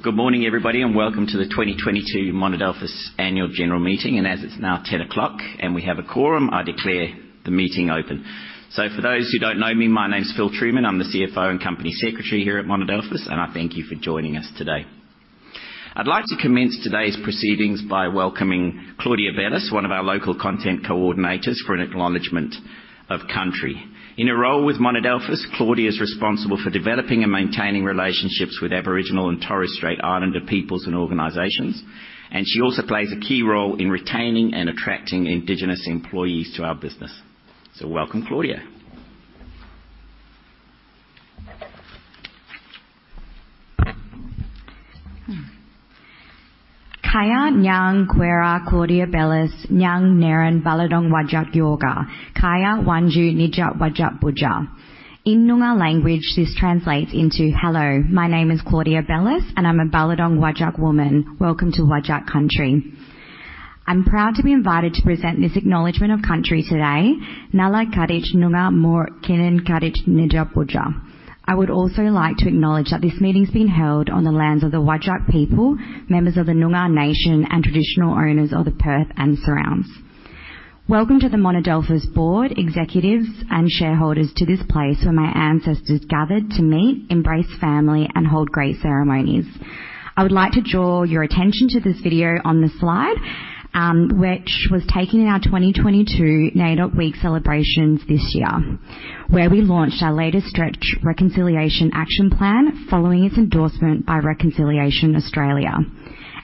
Good morning, everybody, welcome to the 2022 Monadelphous Annual General Meeting. As it's now 10:00 A.M. and we have a quorum, I declare the meeting open. For those who don't know me, my name's Phil Trueman. I'm the CFO and Company Secretary here at Monadelphous. I thank you for joining us today. I'd like to commence today's proceedings by welcoming Claudia Bellis, one of our Local Content Coordinators, for an acknowledgment of country. In her role with Monadelphous, Claudia is responsible for developing and maintaining relationships with Aboriginal and Torres Strait Islander peoples and organizations. She also plays a key role in retaining and attracting Indigenous employees to our business. Welcome, Claudia. In Noongar language, this translates into, "Hello, my name is Claudia Bellis, and I'm a Ballardong Whadjuk woman. Welcome to Whadjuk country." I'm proud to be invited to present this acknowledgment of country today. I would also like to acknowledge that this meeting's being held on the lands of the Whadjuk people, members of the Noongar nation, and traditional owners of the Perth and surrounds. Welcome to the Monadelphous board, executives, and shareholders to this place where my ancestors gathered to meet, embrace family, and hold great ceremonies. I would like to draw your attention to this video on the slide, which was taken in our 2022 NAIDOC Week celebrations this year, where we launched our latest Stretch Reconciliation Action Plan following its endorsement by Reconciliation Australia.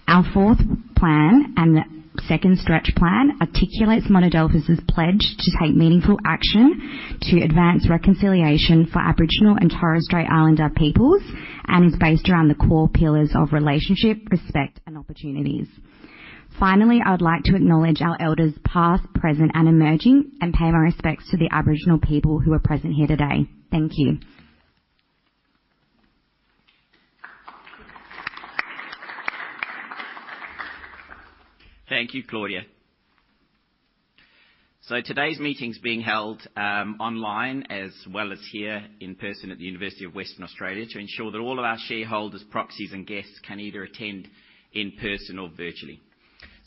Our fourth plan and the second Stretch plan articulates Monadelphous' pledge to take meaningful action to advance reconciliation for Aboriginal and Torres Strait Islander peoples and is based around the core pillars of relationship, respect, and opportunities. Finally, I would like to acknowledge our elders past, present, and emerging, and pay my respects to the Aboriginal people who are present here today. Thank you. Thank you, Claudia. Today's meeting's being held online as well as here in person at The University of Western Australia to ensure that all of our shareholders, proxies, and guests can either attend in person or virtually.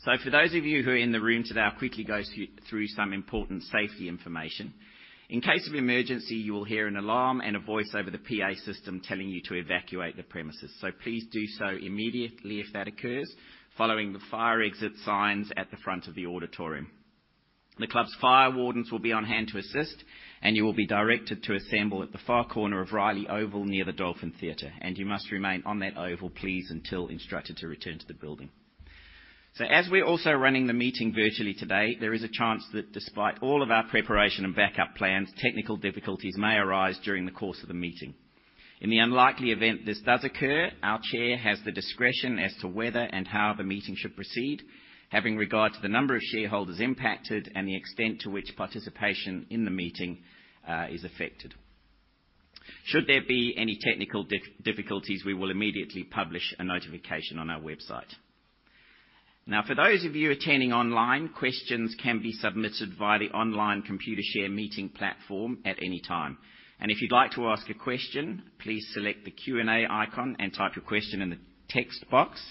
For those of you who are in the room today, I'll quickly go through some important safety information. In case of emergency, you will hear an alarm and a voice over the PA system telling you to evacuate the premises. Please do so immediately if that occurs, following the fire exit signs at the front of the auditorium. The club's fire wardens will be on hand to assist, you will be directed to assemble at the far corner of Riley Oval near the Dolphin Theatre, you must remain on that oval, please, until instructed to return to the building. As we're also running the meeting virtually today, there is a chance that despite all of our preparation and backup plans, technical difficulties may arise during the course of the meeting. In the unlikely event this does occur, our chair has the discretion as to whether and how the meeting should proceed, having regard to the number of shareholders impacted and the extent to which participation in the meeting is affected. Should there be any technical difficulties, we will immediately publish a notification on our website. For those of you attending online, questions can be submitted via the online Computershare meeting platform at any time. If you'd like to ask a question, please select the Q&A icon and type your question in the text box.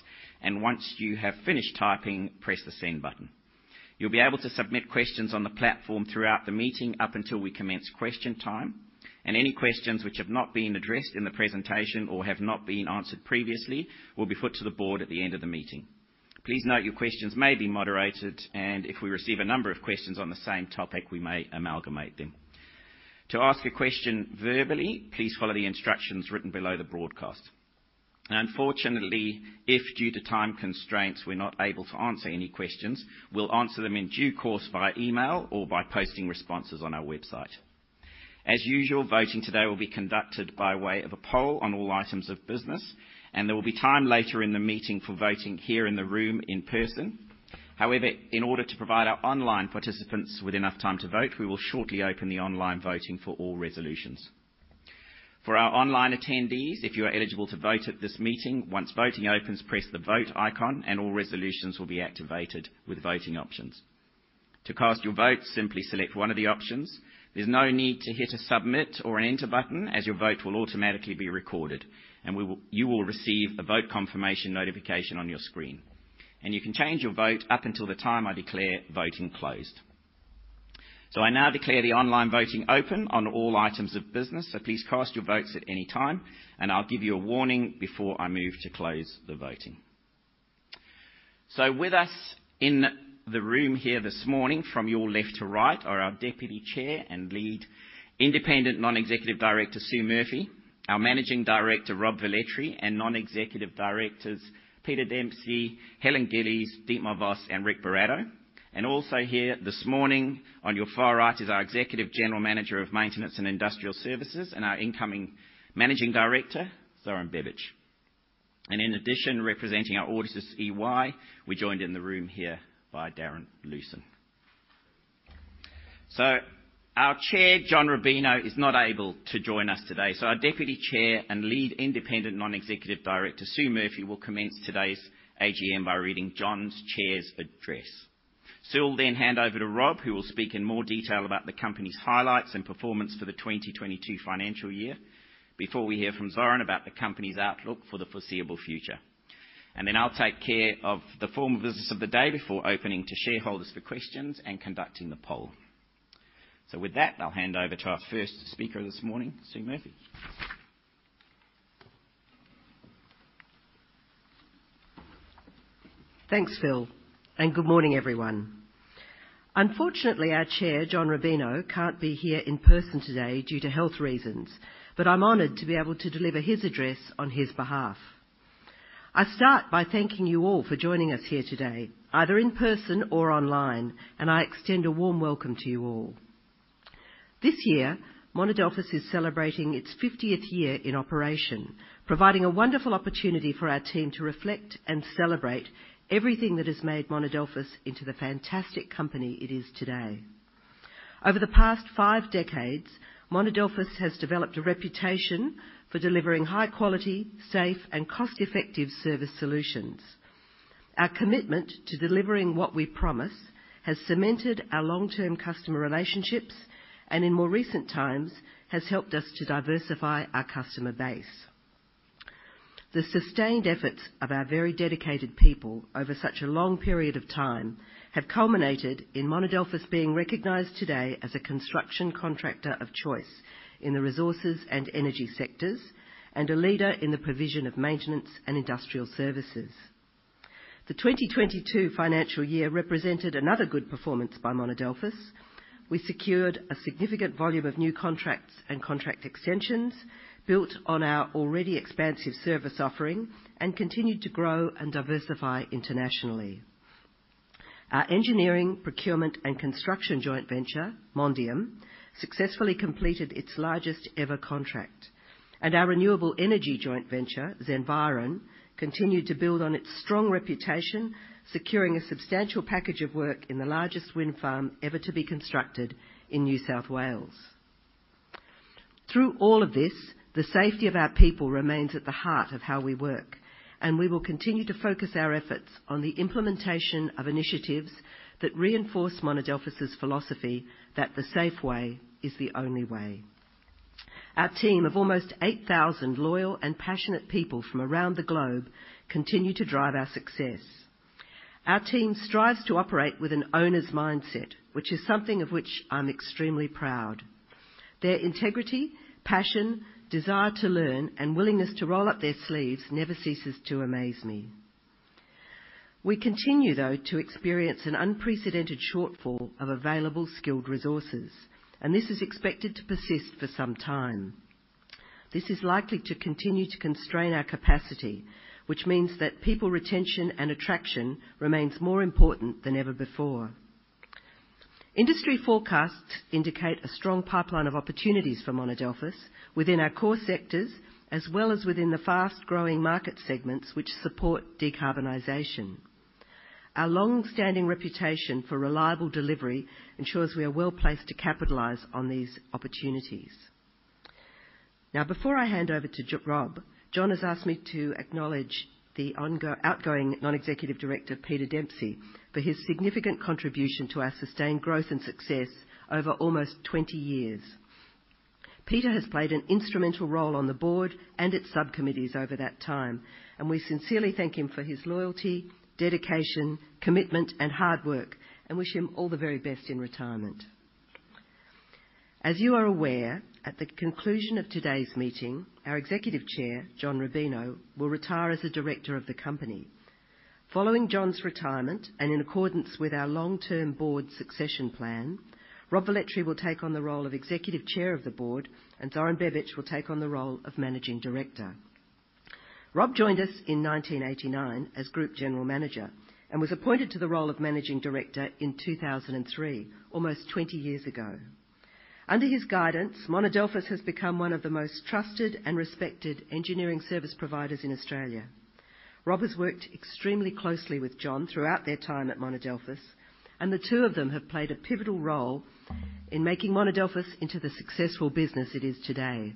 Once you have finished typing, press the Send button. You'll be able to submit questions on the platform throughout the meeting up until we commence question time. Any questions which have not been addressed in the presentation or have not been answered previously will be put to the board at the end of the meeting. Please note your questions may be moderated. If we receive a number of questions on the same topic, we may amalgamate them. To ask a question verbally, please follow the instructions written below the broadcast. Unfortunately, if due to time constraints we're not able to answer any questions, we'll answer them in due course via email or by posting responses on our website. As usual, voting today will be conducted by way of a poll on all items of business. There will be time later in the meeting for voting here in the room in person. In order to provide our online participants with enough time to vote, we will shortly open the online voting for all resolutions. For our online attendees, if you are eligible to vote at this meeting, once voting opens, press the Vote icon and all resolutions will be activated with voting options. To cast your vote, simply select one of the options. There's no need to hit a Submit or an Enter button as your vote will automatically be recorded, and you will receive a vote confirmation notification on your screen. You can change your vote up until the time I declare voting closed. I now declare the online voting open on all items of business. Please cast your votes at any time, and I'll give you a warning before I move to close the voting. With us in the room here this morning from your left to right are our Deputy Chair and Lead Independent Non-Executive Director, Sue Murphy. Our Managing Director, Rob Velletri, and Non-Executive Directors, Peter Dempsey, Helen Gillies, Dietmar Voss, and Ric Buratto. Also here this morning on your far right is our Executive General Manager of Maintenance and Industrial Services and our incoming Managing Director, Zoran Bebic. In addition, representing our auditors, EY, we're joined in the room here by Darren Leeson. Our Chair, John Rubino, is not able to join us today, so our Deputy Chair and Lead Independent Non-Executive Director, Sue Murphy, will commence today's AGM by reading John's Chair's Address. Sue will then hand over to Rob, who will speak in more detail about the company's highlights and performance for the 2022 financial year before we hear from Zoran about the company's outlook for the foreseeable future. I'll take care of the formal business of the day before opening to shareholders for questions and conducting the poll. With that, I'll hand over to our first speaker this morning, Sue Murphy. Thanks, Phil. Good morning, everyone. Unfortunately, our Chair, John Rubino, can't be here in person today due to health reasons, but I'm honored to be able to deliver his address on his behalf. I start by thanking you all for joining us here today, either in person or online, and I extend a warm welcome to you all. This year, Monadelphous is celebrating its 50th year in operation, providing a wonderful opportunity for our team to reflect and celebrate everything that has made Monadelphous into the fantastic company it is today. Over the past five decades, Monadelphous has developed a reputation for delivering high quality, safe, and cost-effective service solutions. Our commitment to delivering what we promise has cemented our long-term customer relationships, and in more recent times has helped us to diversify our customer base. The sustained efforts of our very dedicated people over such a long period of time have culminated in Monadelphous being recognized today as a construction contractor of choice in the resources and energy sectors, and a leader in the provision of Maintenance and Industrial Services. The 2022 financial year represented another good performance by Monadelphous. We secured a significant volume of new contracts and contract extensions built on our already expansive service offering and continued to grow and diversify internationally. Our engineering, procurement and construction joint venture, Mondium, successfully completed its largest ever contract. Our renewable energy joint venture, Zenviron, continued to build on its strong reputation, securing a substantial package of work in the largest wind farm ever to be constructed in New South Wales. Through all of this, the safety of our people remains at the heart of how we work. We will continue to focus our efforts on the implementation of initiatives that reinforce Monadelphous' philosophy that the safe way is the only way. Our team of almost 8,000 loyal and passionate people from around the globe continue to drive our success. Our team strives to operate with an owner's mindset, which is something of which I'm extremely proud. Their integrity, passion, desire to learn, and willingness to roll up their sleeves never ceases to amaze me. We continue, though, to experience an unprecedented shortfall of available skilled resources. This is expected to persist for some time. This is likely to continue to constrain our capacity, which means that people retention and attraction remains more important than ever before. Industry forecasts indicate a strong pipeline of opportunities for Monadelphous within our core sectors, as well as within the fast-growing market segments which support decarbonization. Our long-standing reputation for reliable delivery ensures we are well-placed to capitalize on these opportunities. Before I hand over to Rob, John has asked me to acknowledge the outgoing Non-Executive Director, Peter Dempsey, for his significant contribution to our sustained growth and success over almost 20 years. Peter has played an instrumental role on the board and its subcommittees over that time, and we sincerely thank him for his loyalty, dedication, commitment, and hard work, and wish him all the very best in retirement. As you are aware, at the conclusion of today's meeting, our Executive Chair, John Rubino, will retire as a director of the company. Following John's retirement, in accordance with our long-term board succession plan, Rob Velletri will take on the role of Executive Chair of the board, and Zoran Bebic will take on the role of Managing Director. Rob joined us in 1989 as Group General Manager and was appointed to the role of Managing Director in 2003, almost 20 years ago. Under his guidance, Monadelphous has become one of the most trusted and respected engineering service providers in Australia. Rob has worked extremely closely with John throughout their time at Monadelphous, and the two of them have played a pivotal role in making Monadelphous into the successful business it is today.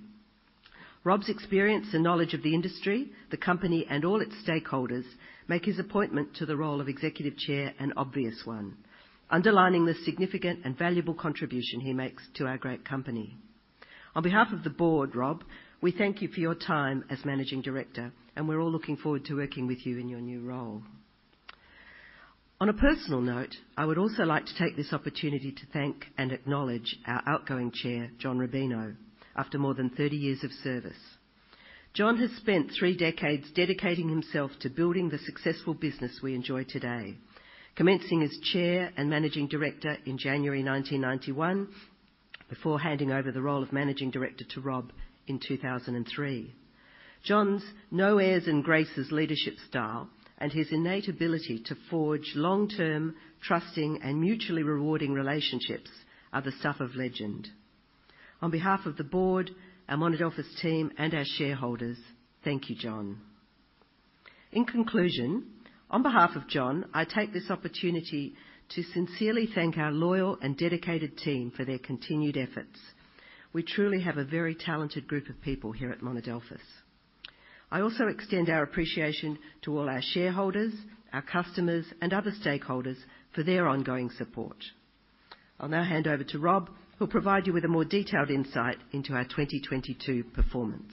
Rob's experience and knowledge of the industry, the company, and all its stakeholders make his appointment to the role of Executive Chair an obvious one, underlining the significant and valuable contribution he makes to our great company. On behalf of the board, Rob, we thank you for your time as Managing Director, and we're all looking forward to working with you in your new role. On a personal note, I would also like to take this opportunity to thank and acknowledge our outgoing Chair, John Rubino, after more than 30 years of service. John has spent three decades dedicating himself to building the successful business we enjoy today, commencing as Chair and Managing Director in January 1991, before handing over the role of Managing Director to Rob in 2003. John's no heirs and graces leadership style and his innate ability to forge long-term trusting and mutually rewarding relationships are the stuff of legend. On behalf of the board, our Monadelphous team, and our shareholders, thank you, John. In conclusion, on behalf of John, I take this opportunity to sincerely thank our loyal and dedicated team for their continued efforts. We truly have a very talented group of people here at Monadelphous. I also extend our appreciation to all our shareholders, our customers, and other stakeholders for their ongoing support. I'll now hand over to Rob, who'll provide you with a more detailed insight into our 2022 performance.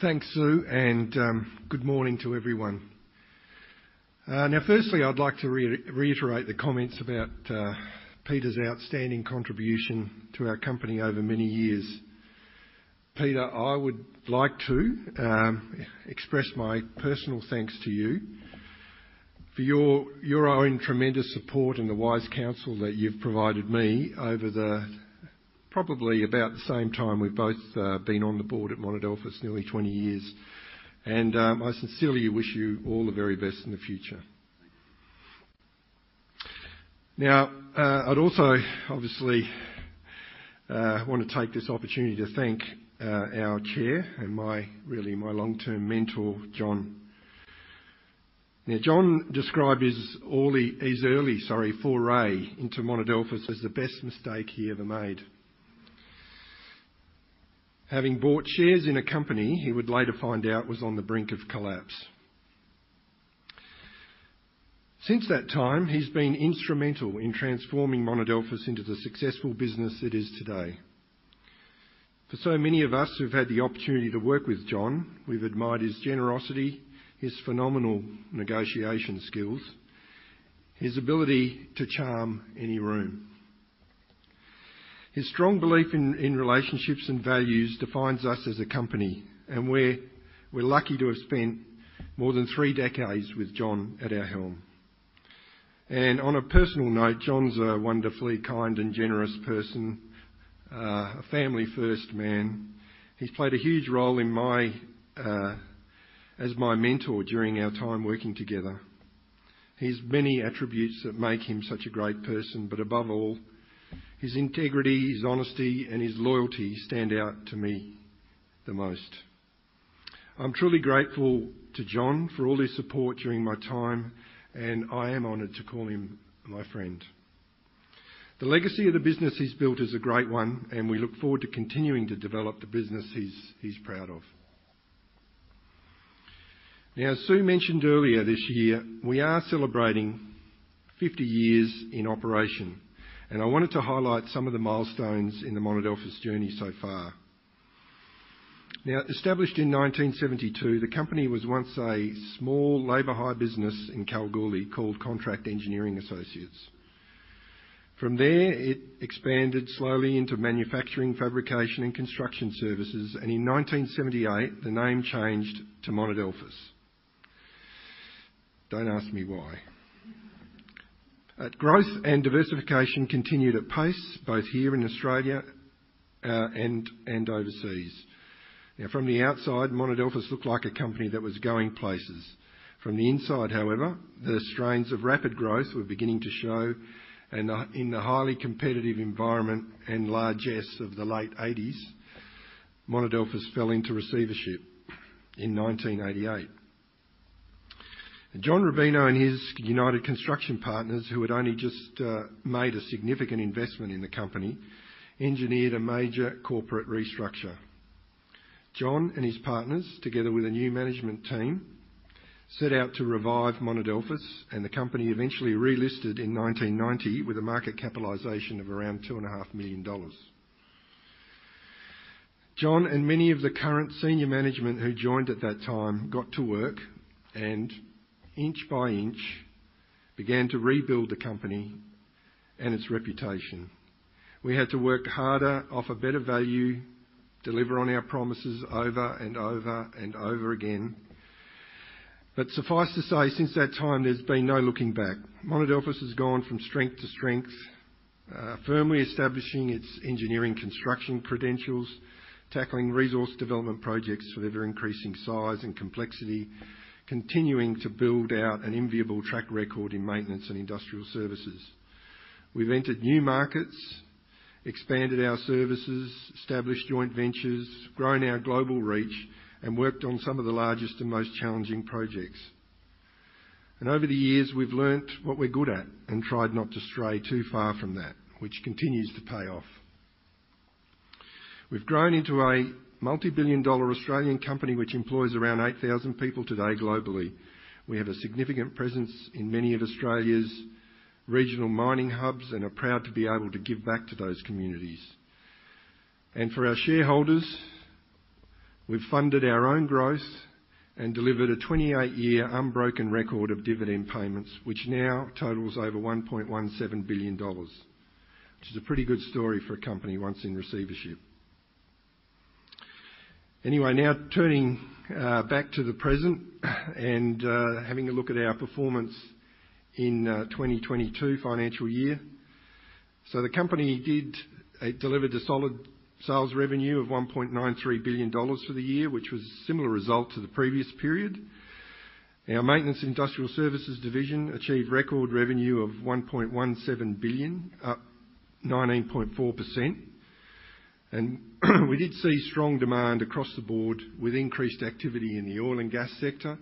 Thanks, Sue, and good morning to everyone. Now firstly, I'd like to reiterate the comments about Peter's outstanding contribution to our company over many years. Peter, I would like to express my personal thanks to you for your own tremendous support and the wise counsel that you've provided me over the probably about the same time we've both been on the board at Monadelphous, nearly 20 years. I sincerely wish you all the very best in the future. Now, I'd also obviously wanna take this opportunity to thank our Chair and my really long-term mentor, John. Now, John described his early, sorry, foray into Monadelphous as the best mistake he ever made. Having bought shares in a company he would later find out was on the brink of collapse. Since that time, he's been instrumental in transforming Monadelphous into the successful business it is today. For so many of us who've had the opportunity to work with John, we've admired his generosity, his phenomenal negotiation skills, his ability to charm any room. His strong belief in relationships and values defines us as a company, and we're lucky to have spent more than three decades with John at our helm. On a personal note, John's a wonderfully kind and generous person, a family-first man. He's played a huge role in my as my mentor during our time working together. He has many attributes that make him such a great person, but above all, his integrity, his honesty, and his loyalty stand out to me the most. I'm truly grateful to John for all his support during my time, and I am honored to call him my friend. The legacy of the business he's built is a great one, and we look forward to continuing to develop the business he's proud of. As Sue mentioned earlier, this year, we are celebrating 50 years in operation, and I wanted to highlight some of the milestones in the Monadelphous journey so far. Established in 1972, the company was once a small labor hire business in Kalgoorlie called Contract Engineering Associates. From there, it expanded slowly into manufacturing, fabrication, and construction services, and in 1978, the name changed to Monadelphous. Don't ask me why. Growth and diversification continued at pace, both here in Australia and overseas. From the outside, Monadelphous looked like a company that was going places. From the inside, however, the strains of rapid growth were beginning to show. In the highly competitive environment and largesse of the late 80s, Monadelphous fell into receivership in 1988. John Rubino and his United Construction partners, who had only just made a significant investment in the company, engineered a major corporate restructure. John and his partners, together with a new management team, set out to revive Monadelphous, and the company eventually relisted in 1990 with a market capitalization of around 2.5 million dollars. John and many of the current senior management who joined at that time got to work and inch by inch began to rebuild the company and its reputation. We had to work harder, offer better value, deliver on our promises over and over and over again. Suffice to say, since that time, there's been no looking back. Monadelphous has gone from strength to strength, firmly establishing its engineering construction credentials, tackling resource development projects of ever-increasing size and complexity, continuing to build out an enviable track record in Maintenance and Industrial Services. We've entered new markets, expanded our services, established joint ventures, grown our global reach, and worked on some of the largest and most challenging projects. Over the years, we've learnt what we're good at and tried not to stray too far from that, which continues to pay off. We've grown into a multibillion-dollar Australian company, which employs around 8,000 people today globally. We have a significant presence in many of Australia's regional mining hubs and are proud to be able to give back to those communities. For our shareholders, we've funded our own growth and delivered a 28-year unbroken record of dividend payments, which now totals over 1.17 billion dollars, which is a pretty good story for a company once in receivership. Now turning back to the present and having a look at our performance in 2022 financial year. It delivered a solid sales revenue of 1.93 billion dollars for the year, which was a similar result to the previous period. Our Maintenance and Industrial Services division achieved record revenue of 1.17 billion, 19.4%. We did see strong demand across the board, with increased activity in the oil and gas sector,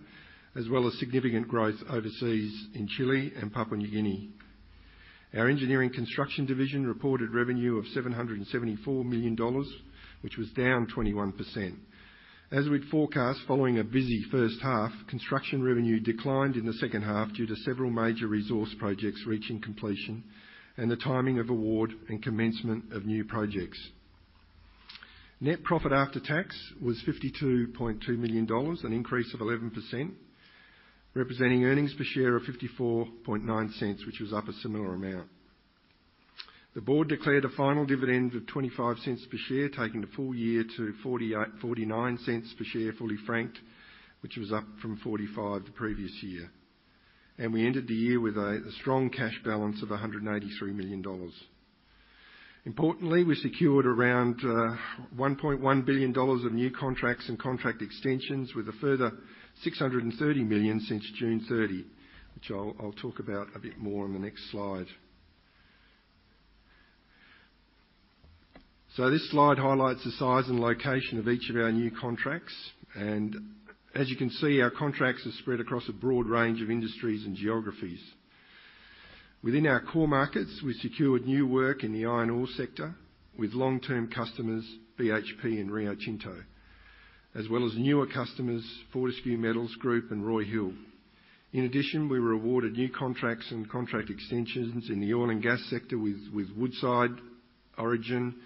as well as significant growth overseas in Chile and Papua New Guinea. Our engineering construction division reported revenue of 774 million dollars, which was down 21%. As we'd forecast following a busy first half, construction revenue declined in the second half due to several major resource projects reaching completion and the timing of award and commencement of new projects. Net profit after tax was AUD 52.2 million, an increase of 11%, representing earnings per share of 0.549, which was up a similar amount. The board declared a final dividend of 0.25 per share, taking the full year to 0.49 per share, fully franked, which was up from 0.45 the previous year. We ended the year with a strong cash balance of AUD 183 million. Importantly, we secured around 1.1 billion dollars of new contracts and contract extensions with a further 630 million since June 30, which I'll talk about a bit more on the next slide. This slide highlights the size and location of each of our new contracts. As you can see, our contracts are spread across a broad range of industries and geographies. Within our core markets, we secured new work in the iron ore sector with long-term customers BHP and Rio Tinto, as well as newer customers Fortescue Metals Group and Roy Hill. In addition, we were awarded new contracts and contract extensions in the oil and gas sector with Woodside, Origin Energy,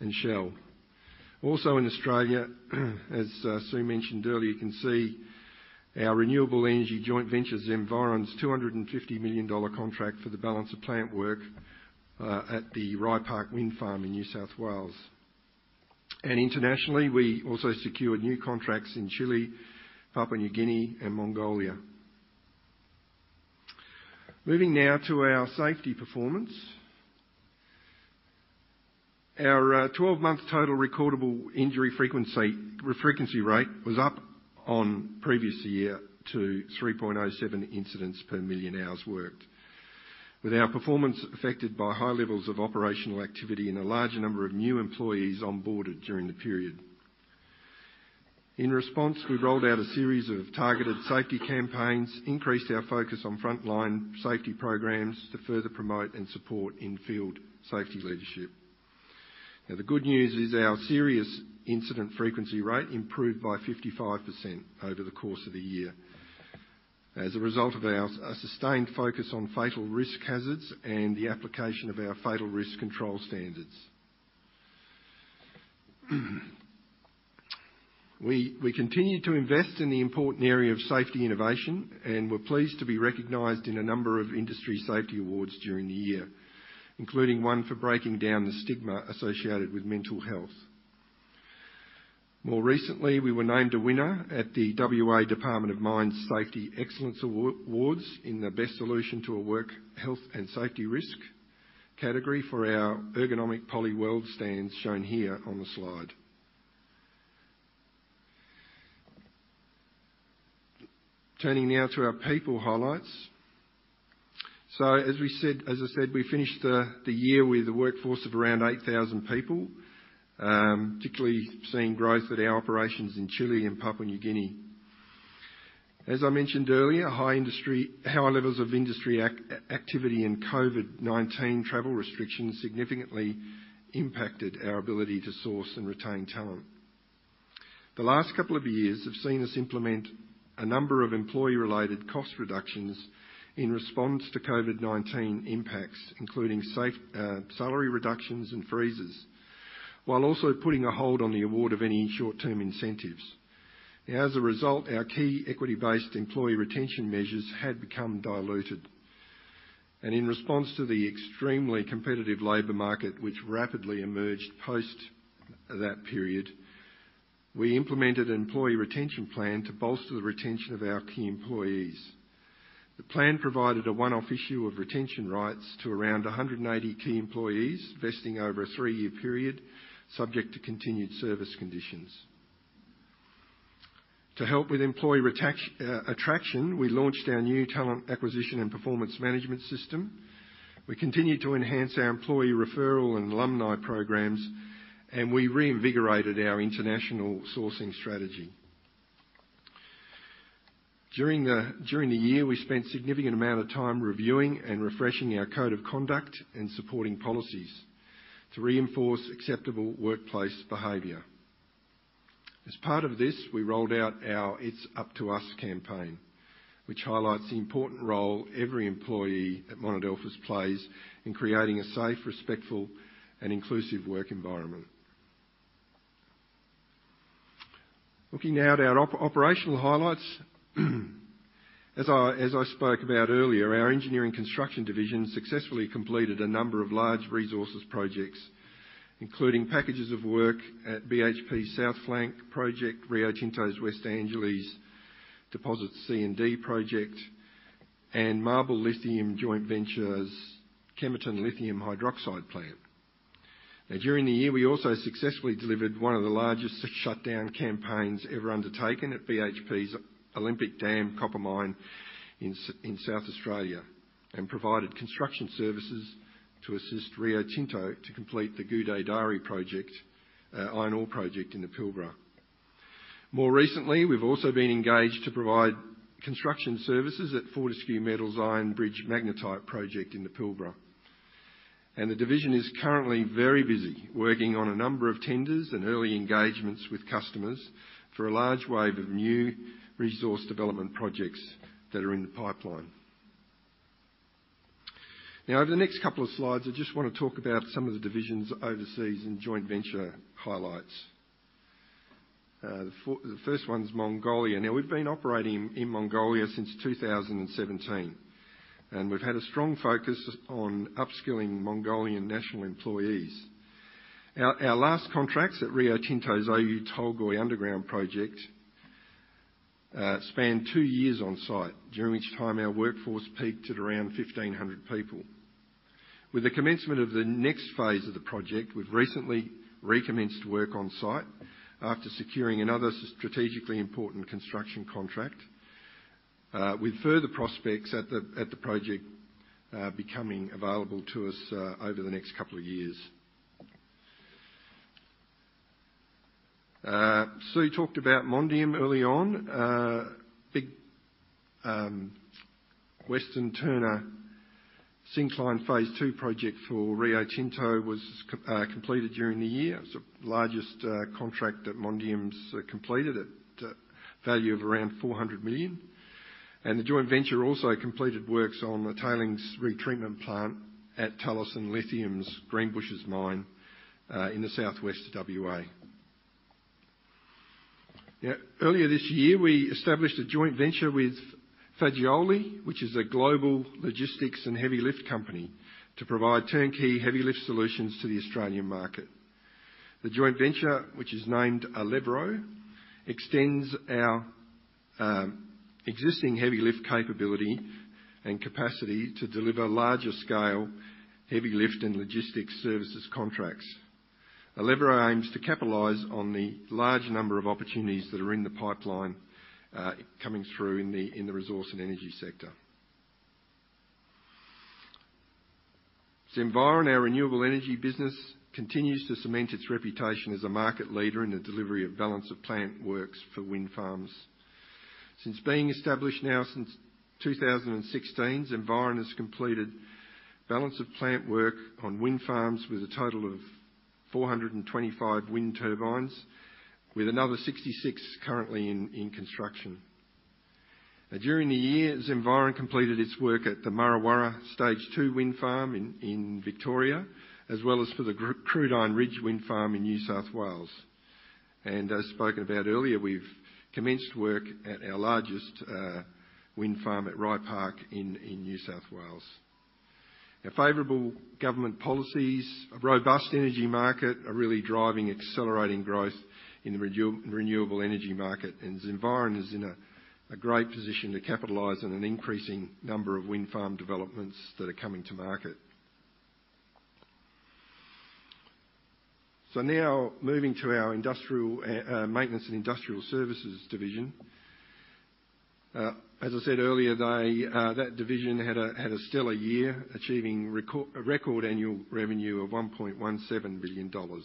and Shell. Also in Australia, as Sue mentioned earlier, you can see our renewable energy joint venture, Zenviron's 250 million dollar contract for the balance-of-plant work at the Rye Park Wind Farm in New South Wales. Internationally, we also secured new contracts in Chile, Papua New Guinea, and Mongolia. Moving now to our safety performance. Our 12-month Total Recordable Injury Frequency Rate was up on previous year to 3.07 incidents per million hours worked, with our performance affected by high levels of operational activity and a larger number of new employees onboarded during the period. In response, we rolled out a series of targeted safety campaigns, increased our focus on frontline safety programs to further promote and support in-field safety leadership. The good news is our Serious Incident Frequency Rate improved by 55% over the course of the year as a result of our sustained focus on fatal risk hazards and the application of our Fatal Risk Control Standards. We continued to invest in the important area of safety innovation. We're pleased to be recognized in a number of industry safety awards during the year, including one for breaking down the stigma associated with mental health. More recently, we were named a winner at the WA Department of Mines Safety Excellence Awards in the Best Solution to a Work Health and Safety Risk category for our Ergonomic Poly Weld Stands, shown here on the slide. Turning now to our people highlights. As I said, we finished the year with a workforce of around 8,000 people, particularly seeing growth at our operations in Chile and Papua New Guinea. As I mentioned earlier, higher levels of industry activity and COVID-19 travel restrictions significantly impacted our ability to source and retain talent. The last couple of years have seen us implement a number of employee-related cost reductions in response to COVID-19 impacts, including salary reductions and freezes, while also putting a hold on the award of any short-term incentives. As a result, our key equity-based employee retention measures had become diluted. In response to the extremely competitive labor market, which rapidly emerged post that period, we implemented an employee retention plan to bolster the retention of our key employees. The plan provided a one-off issue of retention rights to around 180 key employees, vesting over a three-year period, subject to continued service conditions. To help with employee attraction, we launched our new talent acquisition and performance management system. We continued to enhance our employee referral and alumni programs. We reinvigorated our international sourcing strategy. During the year, we spent significant amount of time reviewing and refreshing our code of conduct and supporting policies to reinforce acceptable workplace behavior. As part of this, we rolled out our It's Up to Us campaign, which highlights the important role every employee at Monadelphous plays in creating a safe, respectful and inclusive work environment. Looking now at our operational highlights. As I spoke about earlier, our engineering construction division successfully completed a number of large resources projects, including packages of work at BHP South Flank project, Rio Tinto's West Angelas Deposit C and D project, and MARBL Lithium Joint Venture's Kemerton Lithium Hydroxide plant. Now during the year, we also successfully delivered one of the largest shutdown campaigns ever undertaken at BHP's Olympic Dam copper mine in South Australia, and provided construction services to assist Rio Tinto to complete the Gudai-Darri project, iron ore project in the Pilbara. More recently, we've also been engaged to provide construction services at Fortescue Metals' Iron Bridge magnetite project in the Pilbara. The division is currently very busy working on a number of tenders and early engagements with customers for a large wave of new resource development projects that are in the pipeline. Over the next two slides, I just wanna talk about some of the division's overseas and joint venture highlights. The first one's Mongolia. We've been operating in Mongolia since 2017, and we've had a strong focus on upskilling Mongolian national employees. Our last contracts at Rio Tinto's Oyu Tolgoi underground project spanned two years on site, during which time our workforce peaked at around 1,500 people. With the commencement of the next phase of the project, we've recently recommenced work on site after securing another strategically important construction contract, with further prospects at the project becoming available to us over the next couple years. Sue talked about Mondium early on. Big Western Turner Syncline Phase Two project for Rio Tinto was completed during the year. It was the largest contract that Mondium's completed at a value of around 400 million. The joint venture also completed works on the tailings retreatment plant at Talison Lithium's Greenbushes mine in the southwest WA. Earlier this year, we established a joint venture with Fagioli, which is a global logistics and heavy lift company, to provide turnkey heavy lift solutions to the Australian market. The joint venture, which is named Alevro, extends our existing heavy lift capability and capacity to deliver larger scale heavy lift and logistics services contracts. Alevro aims to capitalize on the large number of opportunities that are in the pipeline coming through in the resource and energy sector. Zenviron, our renewable energy business, continues to cement its reputation as a market leader in the delivery of balance-of-plant works for wind farms. Since being established now since 2016, Zenviron has completed balance-of-plant work on wind farms with a total of 425 wind turbines, with another 66 currently in construction. During the year, Zenviron completed its work at the Murra Warra Stage Two Wind Farm in Victoria, as well as for the Crudine Ridge Wind Farm in New South Wales. As spoken about earlier, we've commenced work at our largest wind farm at Rye Park in New South Wales. Favorable government policies, a robust energy market, are really driving accelerating growth in the renewable energy market, Zenviron is in a great position to capitalize on an increasing number of wind farm developments that are coming to market. Now moving to our Maintenance and Industrial Services division. As I said earlier, they that division had a had a stellar year, achieving a record annual revenue of 1.17 billion dollars.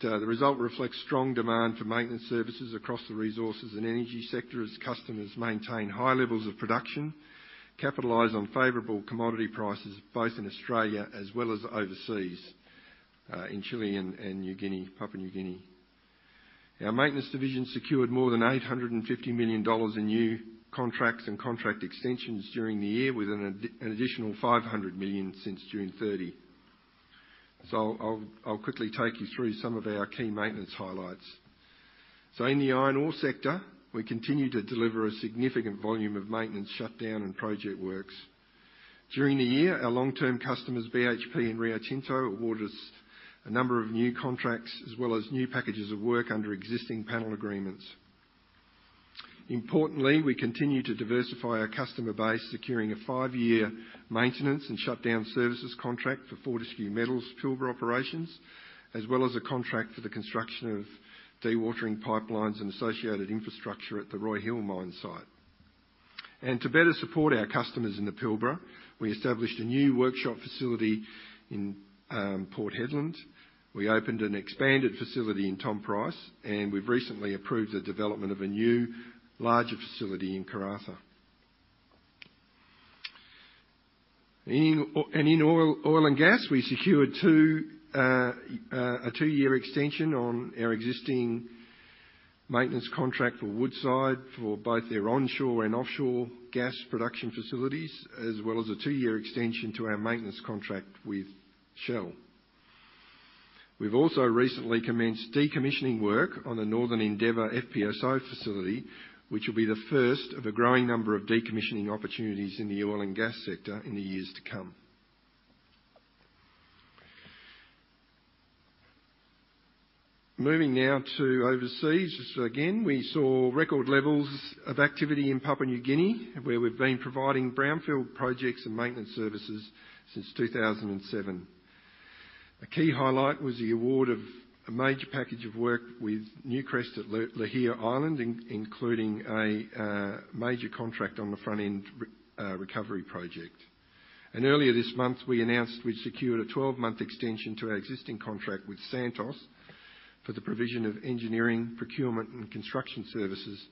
The result reflects strong demand for maintenance services across the resources and energy sector as customers maintain high levels of production, capitalize on favorable commodity prices, both in Australia as well as overseas, in Chile and Papua New Guinea. Our maintenance division secured more than 850 million dollars in new contracts and contract extensions during the year, with an additional 500 million since June 30. I'll quickly take you through some of our key maintenance highlights. In the iron ore sector, we continue to deliver a significant volume of maintenance shutdown and project works. During the year, our long-term customers, BHP and Rio Tinto, awarded us a number of new contracts as well as new packages of work under existing panel agreements. Importantly, we continue to diversify our customer base, securing a five-year maintenance and shutdown services contract for Fortescue Metals' Pilbara operations, as well as a contract for the construction of dewatering pipelines and associated infrastructure at the Roy Hill mine site. To better support our customers in the Pilbara, we established a new workshop facility in Port Hedland. We opened an expanded facility in Tom Price, and we've recently approved the development of a new larger facility in Karratha. In oil and gas, we secured a two-year extension on our existing maintenance contract for Woodside for both their onshore and offshore gas production facilities, as well as a two-year extension to our maintenance contract with Shell. We've also recently commenced decommissioning work on the Northern Endeavour FPSO facility, which will be the first of a growing number of decommissioning opportunities in the oil and gas sector in the years to come. Moving now to overseas. Again, we saw record levels of activity in Papua New Guinea, where we've been providing brownfield projects and maintenance services since 2007. A key highlight was the award of a major package of work with Newcrest at Lihir Island, including a major contract on the front-end re-recovery project. Earlier this month, we announced we'd secured a 12-month extension to our existing contract with Santos for the provision of engineering, procurement, and construction services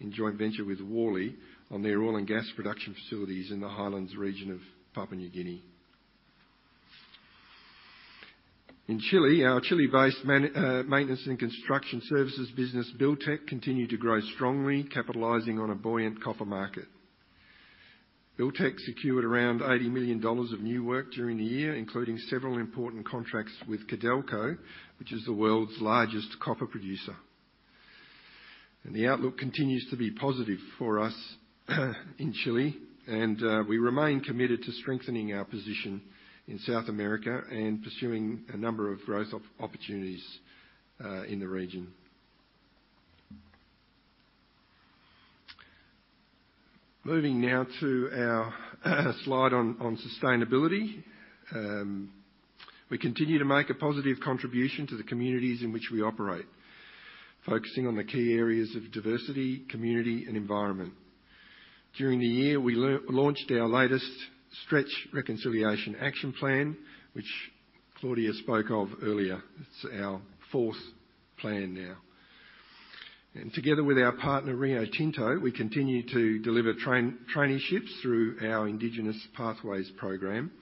in joint venture with Worley on their oil and gas production facilities in the highlands region of Papua New Guinea. In Chile, our Chile-based maintenance and construction services business, Buildtek, continued to grow strongly, capitalizing on a buoyant copper market. Buildtek secured around 80 million dollars of new work during the year, including several important contracts with Codelco, which is the world's largest copper producer. The outlook continues to be positive for us in Chile, and we remain committed to strengthening our position in South America and pursuing a number of growth opportunities in the region. Moving now to our slide on sustainability. We continue to make a positive contribution to the communities in which we operate, focusing on the key areas of diversity, community, and environment. During the year, we launched our latest Stretch Reconciliation Action Plan, which Claudia spoke of earlier. It's our fourth plan now. Together with our partner, Rio Tinto, we continue to deliver traineeships through our Indigenous Pathways Program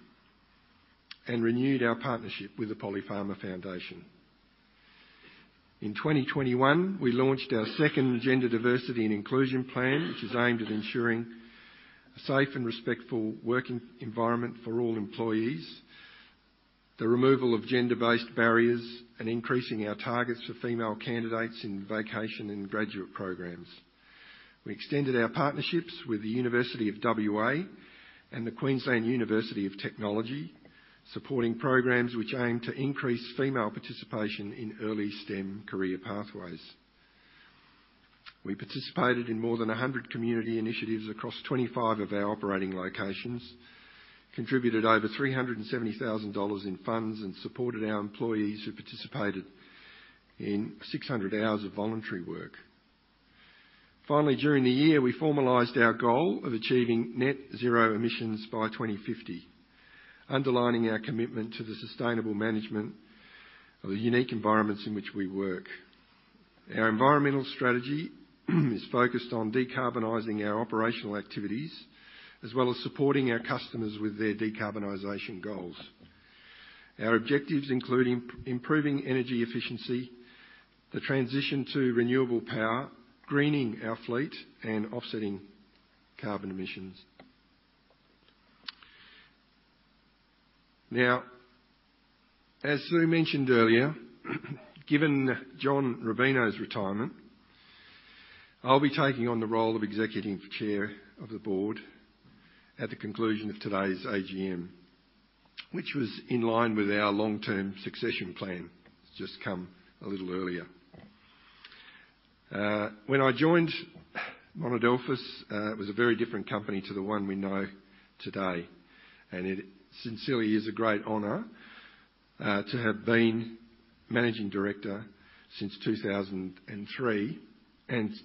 and renewed our partnership with the Polly Farmer Foundation. In 2021, we launched our second Gender Diversity and Inclusion Plan, which is aimed at ensuring a safe and respectful working environment for all employees, the removal of gender-based barriers, and increasing our targets for female candidates in vacation and graduate programs. We extended our partnerships with the University of WA and the Queensland University of Technology, supporting programs which aim to increase female participation in early STEM career pathways. We participated in more than 100 community initiatives across 25 of our operating locations, contributed over 370,000 dollars in funds, and supported our employees who participated in 600 hours of voluntary work. During the year, we formalized our goal of achieving net zero emissions by 2050, underlining our commitment to the sustainable management of the unique environments in which we work. Our environmental strategy is focused on decarbonizing our operational activities as well as supporting our customers with their decarbonization goals. Our objectives include improving energy efficiency, the transition to renewable power, greening our fleet, and offsetting carbon emissions. As Sue mentioned earlier, given John Rubino's retirement, I'll be taking on the role of Executive Chair of the board at the conclusion of today's AGM, which was in line with our long-term succession plan. It's just come a little earlier. When I joined Monadelphous, it was a very different company to the one we know today, and it sincerely is a great honor to have been Managing Director since 2003 and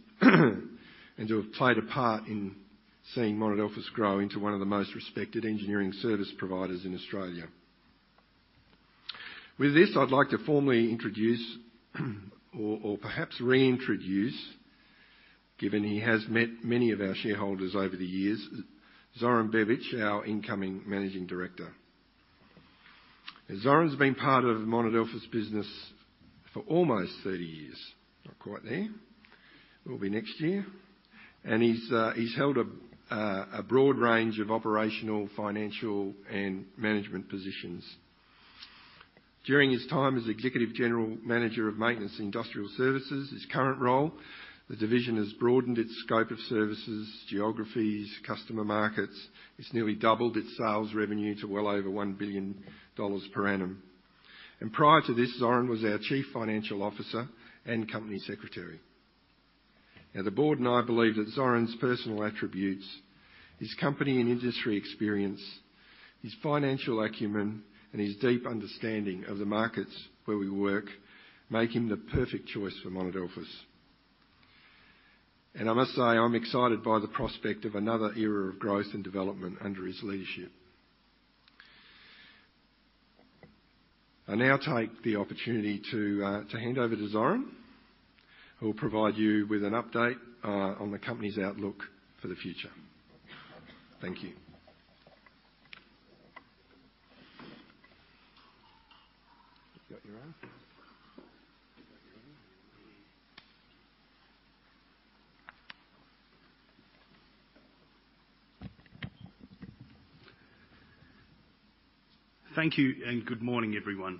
to have played a part in seeing Monadelphous grow into one of the most respected engineering service providers in Australia. With this, I'd like to formally introduce, or perhaps reintroduce, given he has met many of our shareholders over the years, Zoran Bebic, our incoming Managing Director. Zoran's been part of Monadelphous business for almost 30 years. Not quite there. Will be next year. He's held a broad range of operational, financial, and management positions. During his time as Executive General Manager of Maintenance and Industrial Services, his current role, the division has broadened its scope of services, geographies, customer markets. It's nearly doubled its sales revenue to well over 1 billion dollars per annum. Prior to this, Zoran was our Chief Financial Officer and Company Secretary. Now, the board and I believe that Zoran's personal attributes, his company and industry experience, his financial acumen, and his deep understanding of the markets where we work make him the perfect choice for Monadelphous. I must say, I'm excited by the prospect of another era of growth and development under his leadership. I now take the opportunity to hand over to Zoran, who will provide you with an update on the company's outlook for the future. Thank you. You got your own? Thank you, and good morning, everyone.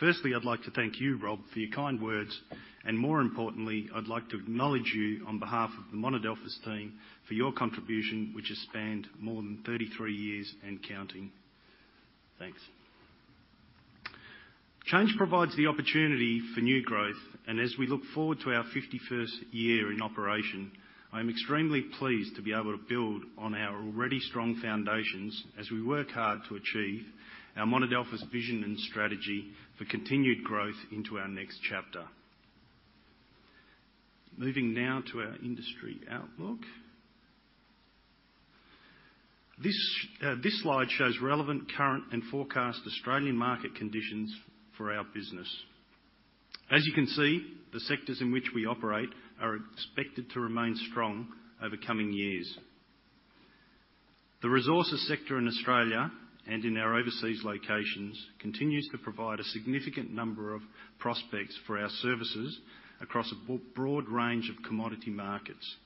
Firstly, I'd like to thank you, Rob, for your kind words, and more importantly, I'd like to acknowledge you on behalf of the Monadelphous team for your contribution, which has spanned more than 33 years and counting. Thanks. Change provides the opportunity for new growth, and as we look forward to our 51st year in operation, I am extremely pleased to be able to build on our already strong foundations as we work hard to achieve our Monadelphous vision and strategy for continued growth into our next chapter. Moving now to our industry outlook. This slide shows relevant current and forecast Australian market conditions for our business. As you can see, the sectors in which we operate are expected to remain strong over coming years. The resources sector in Australia and in our overseas locations continues to provide a significant number of prospects for our services across a broad range of commodity markets.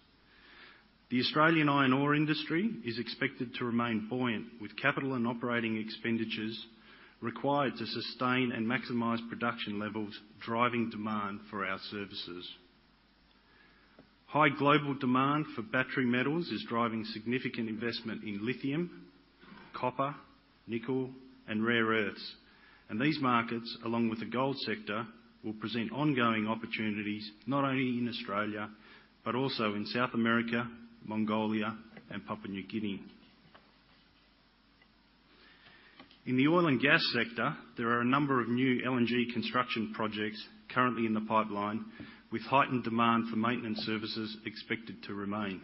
The Australian iron ore industry is expected to remain buoyant, with capital and operating expenditures required to sustain and maximize production levels, driving demand for our services. High global demand for battery metals is driving significant investment in lithium, copper, nickel and rare earths. These markets, along with the gold sector, will present ongoing opportunities not only in Australia but also in South America, Mongolia and Papua New Guinea. In the oil and gas sector, there are a number of new LNG construction projects currently in the pipeline, with heightened demand for maintenance services expected to remain.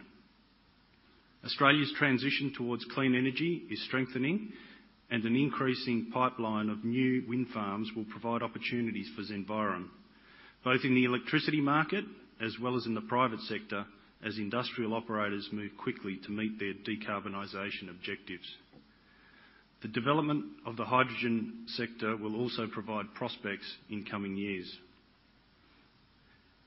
Australia's transition towards clean energy is strengthening and an increasing pipeline of new wind farms will provide opportunities for Zenviron, both in the electricity market as well as in the private sector as industrial operators move quickly to meet their decarbonization objectives. The development of the hydrogen sector will also provide prospects in coming years.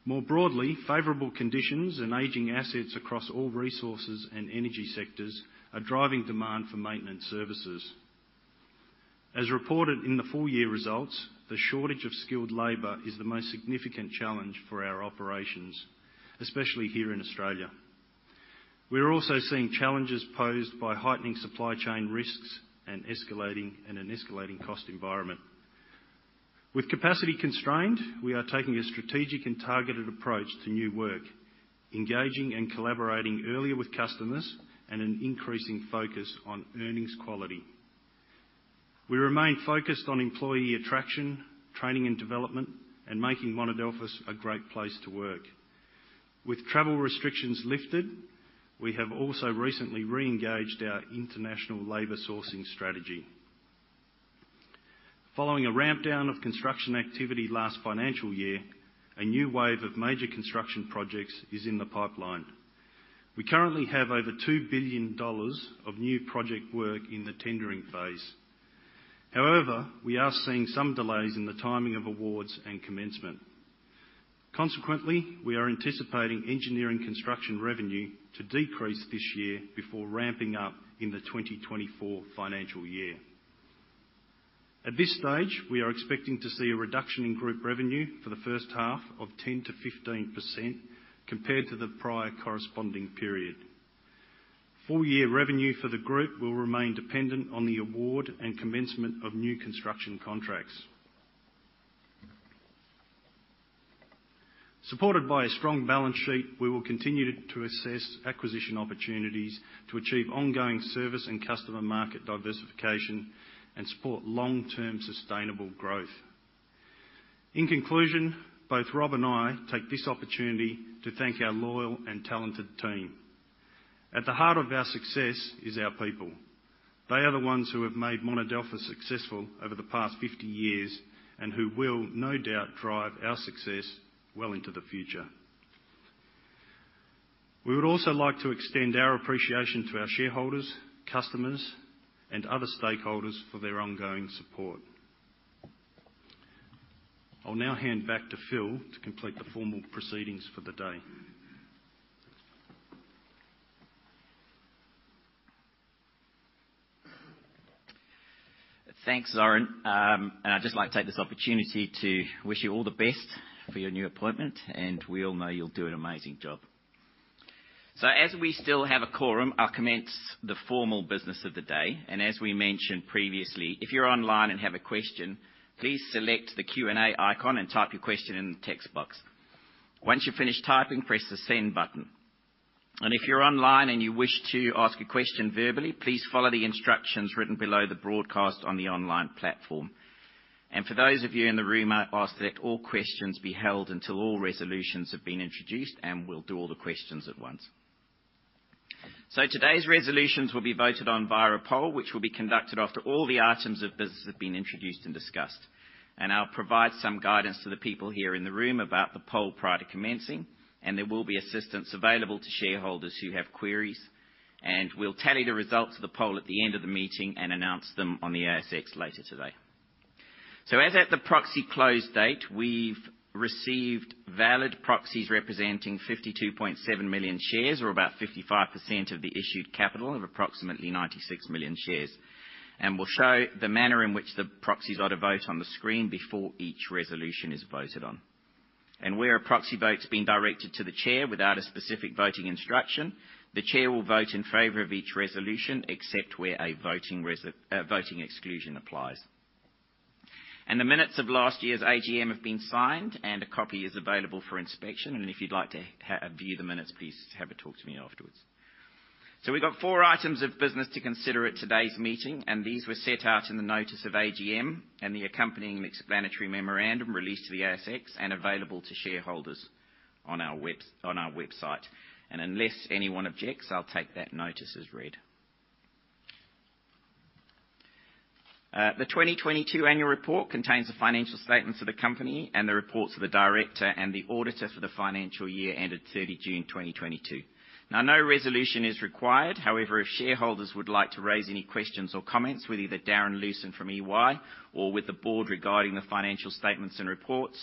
More broadly, favorable conditions and aging assets across all resources and energy sectors are driving demand for maintenance services. As reported in the full year results, the shortage of skilled labor is the most significant challenge for our operations, especially here in Australia. We are also seeing challenges posed by heightening supply chain risks and escalating, and an escalating cost environment. With capacity constrained, we are taking a strategic and targeted approach to new work, engaging and collaborating earlier with customers and an increasing focus on earnings quality. We remain focused on employee attraction, training and development, and making Monadelphous a great place to work. With travel restrictions lifted, we have also recently reengaged our international labor sourcing strategy. Following a ramp down of construction activity last financial year, a new wave of major construction projects is in the pipeline. We currently have over 2 billion dollars of new project work in the tendering phase. However, we are seeing some delays in the timing of awards and commencement. Consequently, we are anticipating engineering construction revenue to decrease this year before ramping up in the 2024 financial year. At this stage, we are expecting to see a reduction in group revenue for the first half of 10%-15% compared to the prior corresponding period. Full year revenue for the group will remain dependent on the award and commencement of new construction contracts. Supported by a strong balance sheet, we will continue to assess acquisition opportunities to achieve ongoing service and customer market diversification and support long-term sustainable growth. In conclusion, both Rob and I take this opportunity to thank our loyal and talented team. At the heart of our success is our people. They are the ones who have made Monadelphous successful over the past 50 years and who will no doubt drive our success well into the future. We would also like to extend our appreciation to our shareholders, customers and other stakeholders for their ongoing support. I'll now hand back to Phil to complete the formal proceedings for the day. Thanks, Zoran. I'd just like to take this opportunity to wish you all the best for your new appointment, and we all know you'll do an amazing job. As we still have a quorum, I'll commence the formal business of the day. As we mentioned previously, if you're online and have a question, please select the Q&A icon and type your question in the text box. Once you've finished typing, press the Send button. If you're online and you wish to ask a question verbally, please follow the instructions written below the broadcast on the online platform. For those of you in the room, I ask that all questions be held until all resolutions have been introduced, and we'll do all the questions at once. Today's resolutions will be voted on via a poll which will be conducted after all the items of business have been introduced and discussed. I'll provide some guidance to the people here in the room about the poll prior to commencing. There will be assistance available to shareholders who have queries. We'll tally the results of the poll at the end of the meeting and announce them on the ASX later today. As at the proxy close date, we've received valid proxies representing 52.7 million shares, or about 55% of the issued capital of approximately 96 million shares. We'll show the manner in which the proxies are to vote on the screen before each resolution is voted on. Where a proxy vote's been directed to the chair without a specific voting instruction, the chair will vote in favor of each resolution, except where a voting exclusion applies. The minutes of last year's AGM have been signed, and a copy is available for inspection. If you'd like to view the minutes, please have a talk to me afterwards. We've got four items of business to consider at today's meeting, and these were set out in the notice of AGM and the accompanying explanatory memorandum released to the ASX and available to shareholders on our website. Unless anyone objects, I'll take that notice as read. The 2022 annual report contains the financial statements of the company and the reports of the director and the auditor for the financial year ended 30 June 2022. No resolution is required. However, if shareholders would like to raise any questions or comments with either Darren Leeson from EY or with the board regarding the financial statements and reports.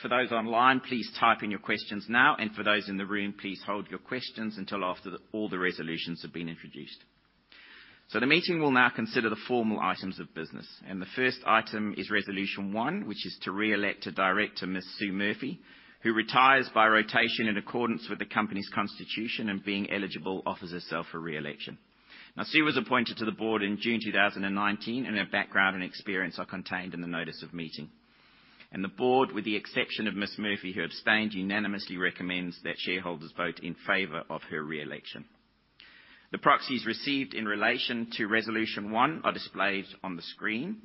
For those online, please type in your questions now, and for those in the room, please hold your questions until after all the resolutions have been introduced. The meeting will now consider the formal items of business. The first item is Resolution One, which is to re-elect a director, Ms. Sue Murphy, who retires by rotation in accordance with the company's constitution and being eligible offers herself for re-election. Sue was appointed to the board in June 2019, and her background and experience are contained in the notice of meeting. The board, with the exception of Ms. Murphy, who abstained, unanimously recommends that shareholders vote in favor of her re-election. The proxies received in relation to resolution one are displayed on the screen,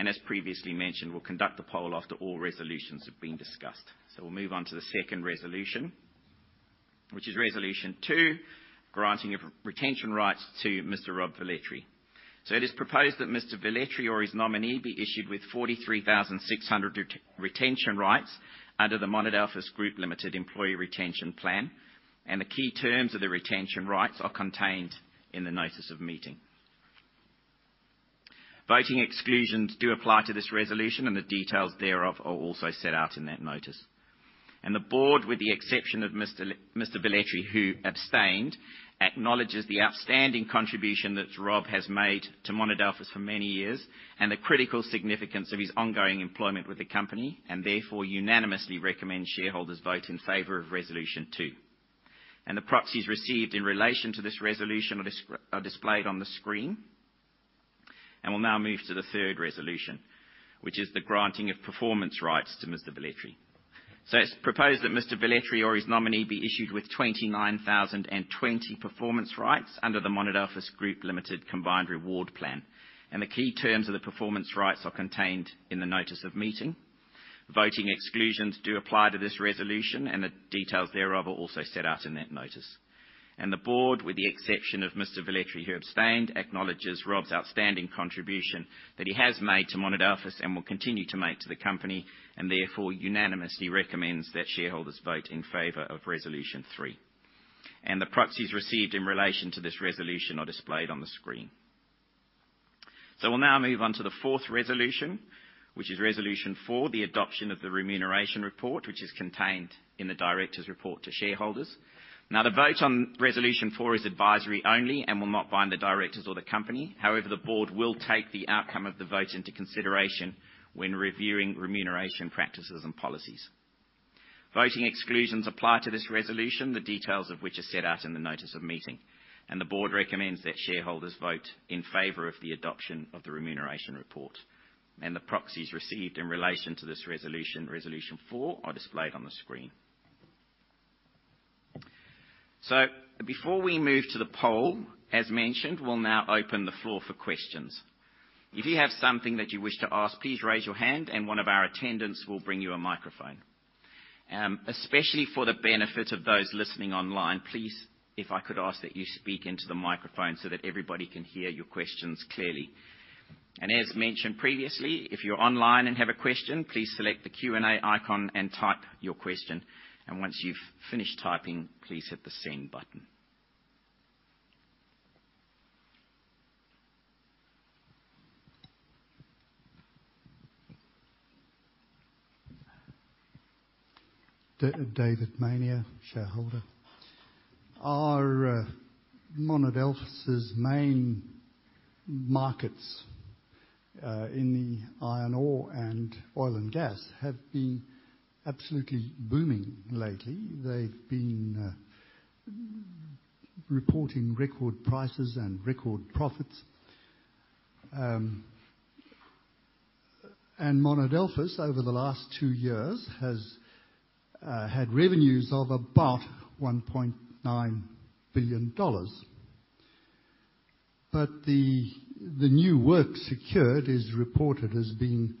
and as previously mentioned, we'll conduct the poll after all resolutions have been discussed. We'll move on to the second resolution, which is Resolution Two, granting of retention rights to Mr. Rob Velletri. It is proposed that Mr. Velletri or his nominee be issued with 43,600 re-retention rights under the Monadelphous Group Limited Employee Retention Plan, and the key terms of the retention rights are contained in the notice of meeting. Voting exclusions do apply to this resolution. The details thereof are also set out in that notice. The board, with the exception of Mr. Velletri, who abstained, acknowledges the outstanding contribution that Rob Velletri has made to Monadelphous for many years and the critical significance of his ongoing employment with the company, and therefore unanimously recommends shareholders vote in favor of resolution two. The proxies received in relation to this resolution are displayed on the screen. We'll now move to the third resolution, which is the granting of performance rights to Mr. Velletri. It's proposed that Mr. Velletri or his nominee be issued with 29,020 performance rights under the Monadelphous Group Limited Combined Reward Plan. The key terms of the performance rights are contained in the notice of meeting. Voting exclusions do apply to this resolution. The details thereof are also set out in that notice. The board, with the exception of Mr. Velletri, who abstained, acknowledges Rob's outstanding contribution that he has made to Monadelphous and will continue to make to the company, and therefore unanimously recommends that shareholders vote in favor of Resolution Three. The proxies received in relation to this resolution are displayed on the screen. We'll now move on to the fourth resolution, which is Resolution Four, the adoption of the remuneration report, which is contained in the directors' report to shareholders. The vote on Resolution Four is advisory only and will not bind the directors or the company. However, the board will take the outcome of the vote into consideration when reviewing remuneration practices and policies. Voting exclusions apply to this resolution, the details of which are set out in the notice of meeting. The board recommends that shareholders vote in favor of the adoption of the remuneration report. The proxies received in relation to this Resolution Four, are displayed on the screen. Before we move to the poll, as mentioned, we'll now open the floor for questions. If you have something that you wish to ask, please raise your hand and one of our attendants will bring you a microphone. Especially for the benefit of those listening online, please, if I could ask that you speak into the microphone so that everybody can hear your questions clearly. As mentioned previously, if you're online and have a question, please select the Q&A icon and type your question. Once you've finished typing, please hit the send button. David Mania, shareholder. Are Monadelphous' main markets in the iron ore and oil and gas have been absolutely booming lately. They've been reporting record prices and record profits. And Monadelphous, over the last two years, has had revenues of about 1.9 billion dollars. The new work secured is reported as being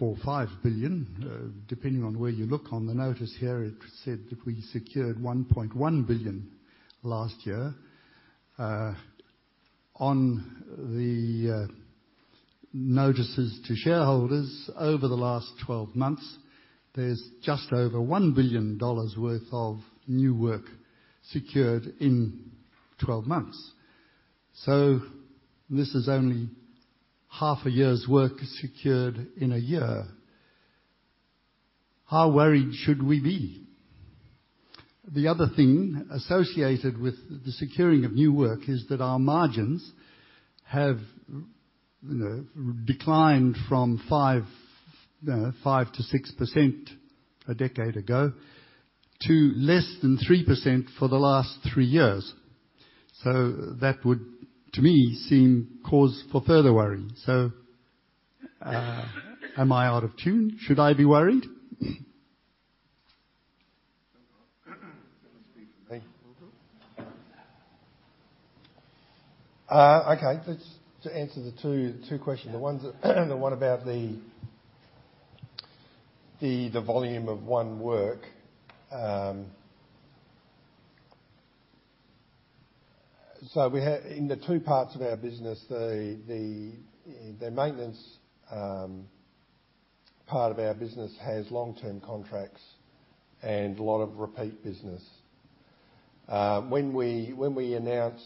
1.45 billion, depending on where you look on the notice here, it said we secured 1.1 billion last year. On the notices to shareholders over the last 12 months, there's just over 1 billion dollars worth of new work secured in 12 months. This is only half a year's work secured in a year. How worried should we be? The other thing associated with the securing of new work is that our margins have, you know, declined from 5%-6% a decade ago to less than 3% for the last three years. That would, to me, seem cause for further worry. Am I out of tune? Should I be worried? Okay. To answer the two questions. The one about the volume of work. In the two parts of our business, the maintenance part of our business has long-term contracts and a lot of repeat business. When we announce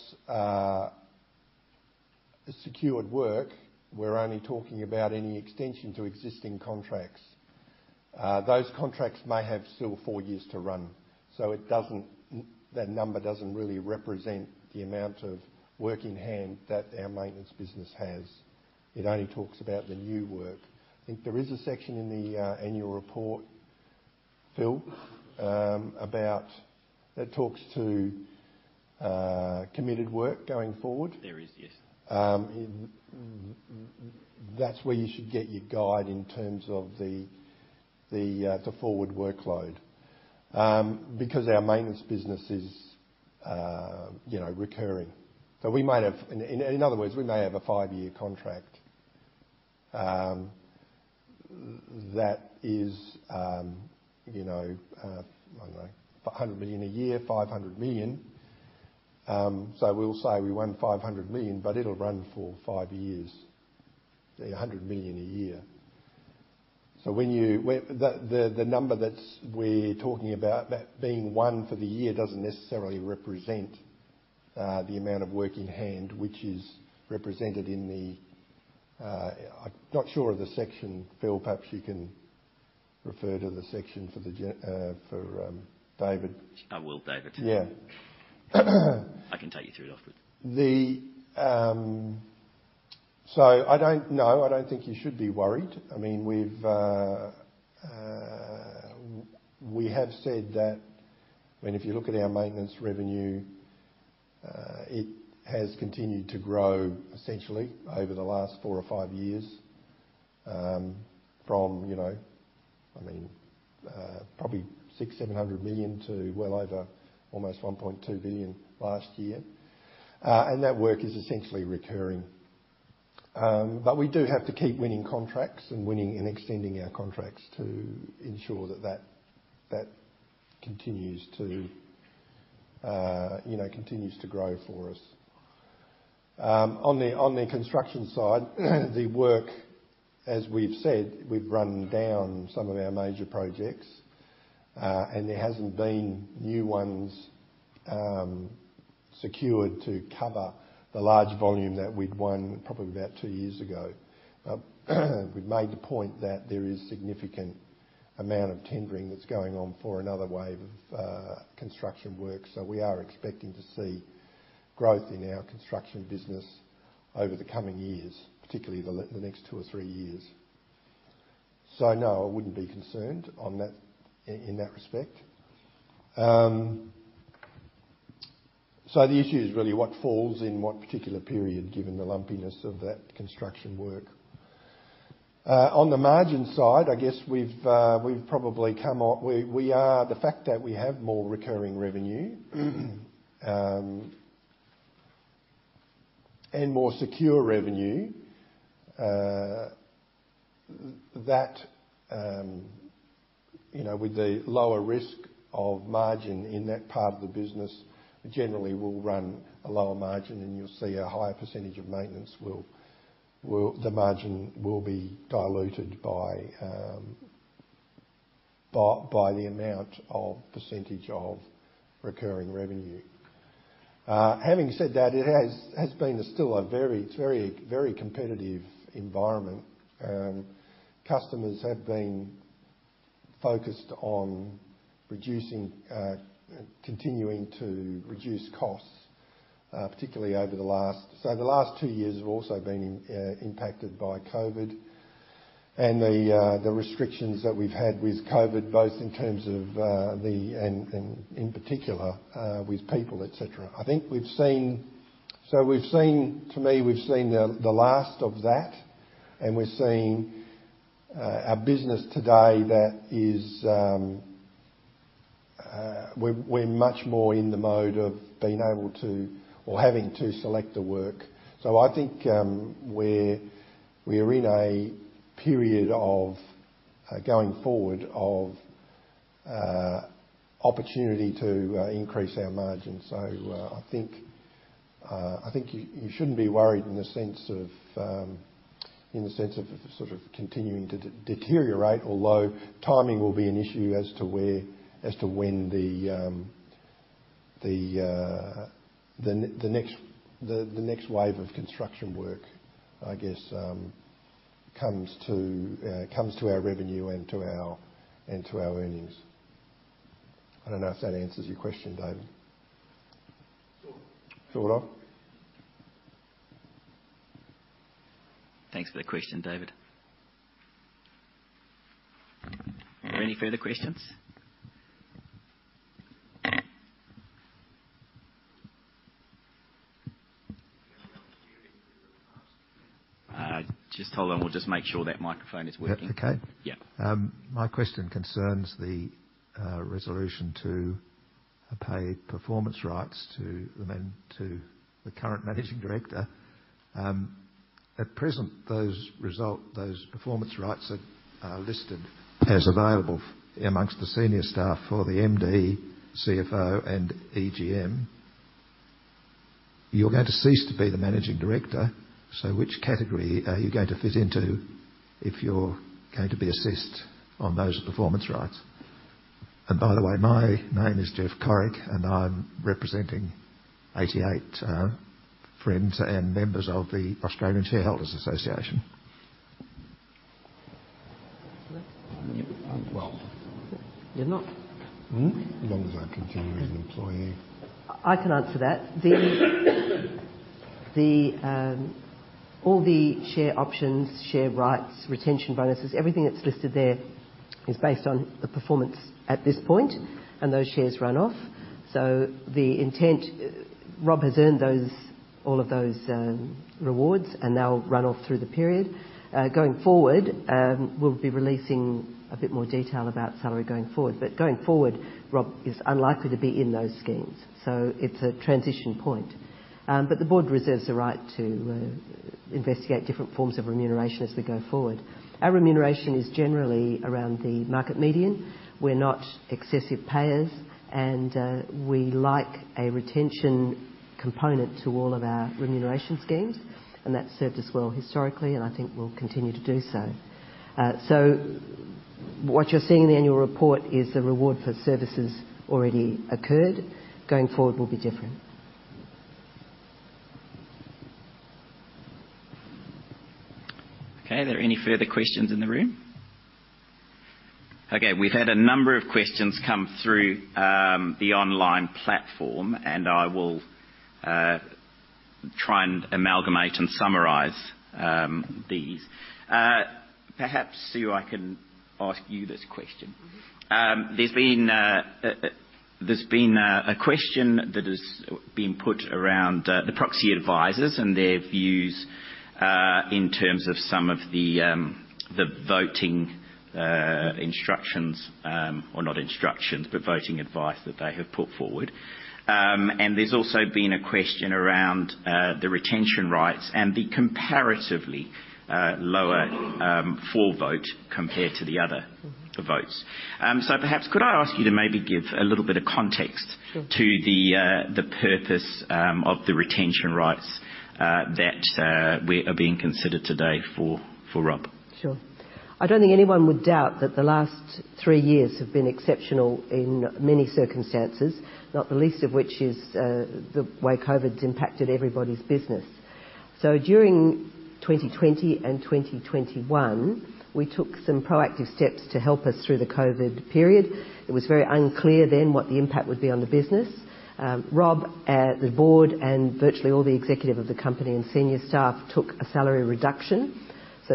secured work, we're only talking about any extension to existing contracts. Those contracts may have still four years to run. It doesn't, that number doesn't really represent the amount of work in hand that our maintenance business has. It only talks about the new work. I think there is a section in the annual report, Phil, about that talks to committed work going forward. There is, yes. In, that's where you should get your guide in terms of the forward workload. Our maintenance business is, you know, recurring. We might have, in other words, we may have a five-year contract that is, you know, I don't know, 100 million a year, 500 million. We'll say we won 500 million, but it'll run for five years. 100 million a year. When you, the number that's we're talking about that being one for the year doesn't necessarily represent the amount of work in hand, which is represented in the, I'm not sure of the section. Phil, perhaps you can refer to the section for David. I will, David. Yeah. I can take you through it afterwards. I don't know. I don't think you should be worried. I mean, we've said that if you look at our maintenance revenue, it has continued to grow essentially over the last four or five years, from, you know, I mean, probably 600 million-700 million to well over almost 1.2 billion last year. That work is essentially recurring. We do have to keep winning contracts and winning and extending our contracts to ensure that that continues to, you know, continues to grow for us. On the construction side, the work, as we've said, we've run down some of our major projects, and there hasn't been new ones secured to cover the large volume that we'd won probably about two years ago. We've made the point that there is significant amount of tendering that's going on for another wave of construction work. We are expecting to see growth in our construction business over the coming years, particularly the next two or three years. No, I wouldn't be concerned on that, in that respect. The issue is really what falls in what particular period, given the lumpiness of that construction work. On the margin side, I guess we've probably come up. We are, the fact that we have more recurring revenue, and more secure revenue, that, you know, with the lower risk of margin in that part of the business, generally we'll run a lower margin and you'll see a higher percentage of maintenance will, the margin will be diluted by the amount of percentage of recurring revenue. Having said that, it has been still a very, it's very competitive environment. Customers have been focused on reducing, continuing to reduce costs, particularly over the last... The last two years have also been impacted by COVID and the restrictions that we've had with COVID both in terms of, the, and in particular, with people, et cetera. I think we've seen... We've seen, to me, we've seen the last of that, and we're seeing our business today that is, we're much more in the mode of being able to or having to select the work. I think, we're in a period of going forward of opportunity to increase our margins. I think, I think you shouldn't be worried in the sense of in the sense of sort of continuing to deteriorate, although timing will be an issue as to where, as to when the next wave of construction work, I guess, comes to our revenue and to our, and to our earnings. I don't know if that answers your question, David? Sure. Sure it does. Thanks for the question, David. Are there any further questions? Just hold on. We'll just make sure that microphone is working. Yep, okay. Yeah. My question concerns the resolution to pay performance rights to the current managing director. At present, those performance rights are listed as available amongst the senior staff for the MD, CFO, and EGM. You're going to cease to be the managing director, which category are you going to fit into if you're going to be assessed on those performance rights? By the way, my name is Geoff Corrick, and I'm representing 88 friends and members of the Australian Shareholders' Association. Well- You're not. As long as I continue as an employee. I can answer that. All the share options, share rights, retention bonuses, everything that's listed there is based on the performance at this point, and those shares run off. The intent, Rob has earned those, all of those rewards, and they'll run off through the period. Going forward, we'll be releasing a bit more detail about salary going forward. Going forward, Rob is unlikely to be in those schemes. It's a transition point. The board reserves the right to investigate different forms of remuneration as we go forward. Our remuneration is generally around the market median. We're not excessive payers, and we like a retention component to all of our remuneration schemes, and that's served us well historically, and I think will continue to do so. What you're seeing in the annual report is the reward for services already occurred. Going forward will be different. Okay. Are there any further questions in the room? Okay, we've had a number of questions come through, the online platform. I will try and amalgamate and summarize these. Perhaps, Sue, I can ask you this question. Mm-hmm. There's been a question that has been put around the proxy advisors and their views in terms of some of the voting instructions, or not instructions, but voting advice that they have put forward. There's also been a question around the retention rights and the comparatively lower for vote compared to the other votes. Perhaps could I ask you to maybe give a little bit of context. Sure. To the purpose, of the retention rights, that are being considered today for Rob? Sure. I don't think anyone would doubt that the last three years have been exceptional in many circumstances, not the least of which is the way COVID's impacted everybody's business. During 2020 and 2021, we took some proactive steps to help us through the COVID period. It was very unclear then what the impact would be on the business. Rob, the board, and virtually all the executive of the company and senior staff took a salary reduction.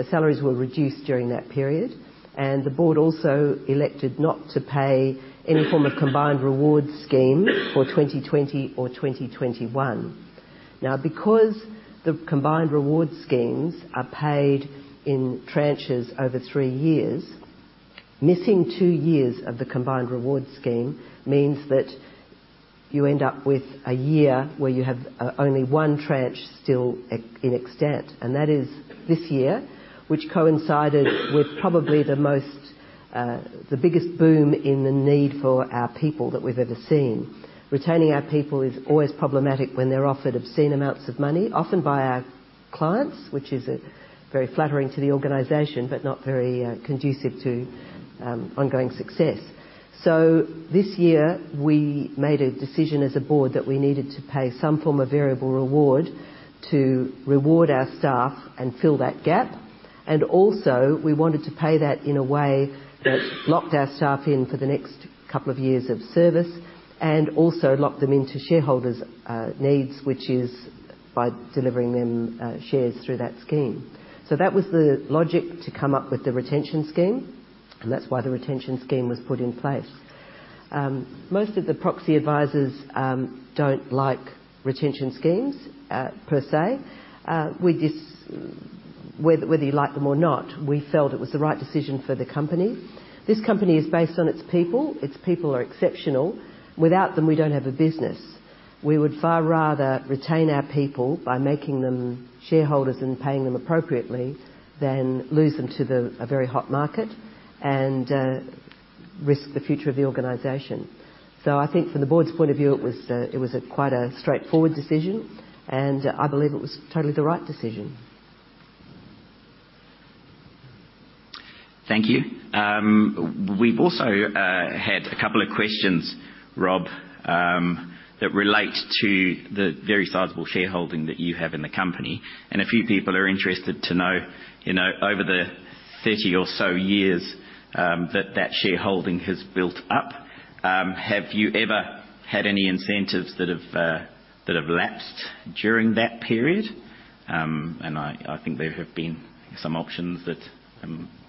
Salaries were reduced during that period. The board also elected not to pay any form of Combined Reward Scheme for 2020 or 2021. Because the Combined Reward Schemes are paid in tranches over three years, missing two years of the Combined Reward Scheme means that you end up with a year where you have only one tranche still in extent. That is this year, which coincided with probably the most, the biggest boom in the need for our people that we've ever seen. Retaining our people is always problematic when they're offered obscene amounts of money, often by our clients, which is very flattering to the organization, but not very conducive to ongoing success. This year, we made a decision as a board that we needed to pay some form of variable reward to reward our staff and fill that gap. Also, we wanted to pay that in a way that locked our staff in for the next couple of years of service and also locked them into shareholders' needs, which is by delivering them shares through that scheme. That was the logic to come up with the retention scheme, and that's why the retention scheme was put in place. Most of the proxy advisors don't like retention schemes per se. Whether you like them or not, we felt it was the right decision for the company. This company is based on its people. Its people are exceptional. Without them, we don't have a business. We would far rather retain our people by making them shareholders and paying them appropriately than lose them to the, a very hot market and risk the future of the organization. I think from the board's point of view, it was a quite a straightforward decision, and I believe it was totally the right decision. Thank you. We've also had a couple of questions, Rob, that relate to the very sizable shareholding that you have in the company, and a few people are interested to know, you know, over the 30 or so years, that that shareholding has built up, have you ever had any incentives that have lapsed during that period? I think there have been some options that,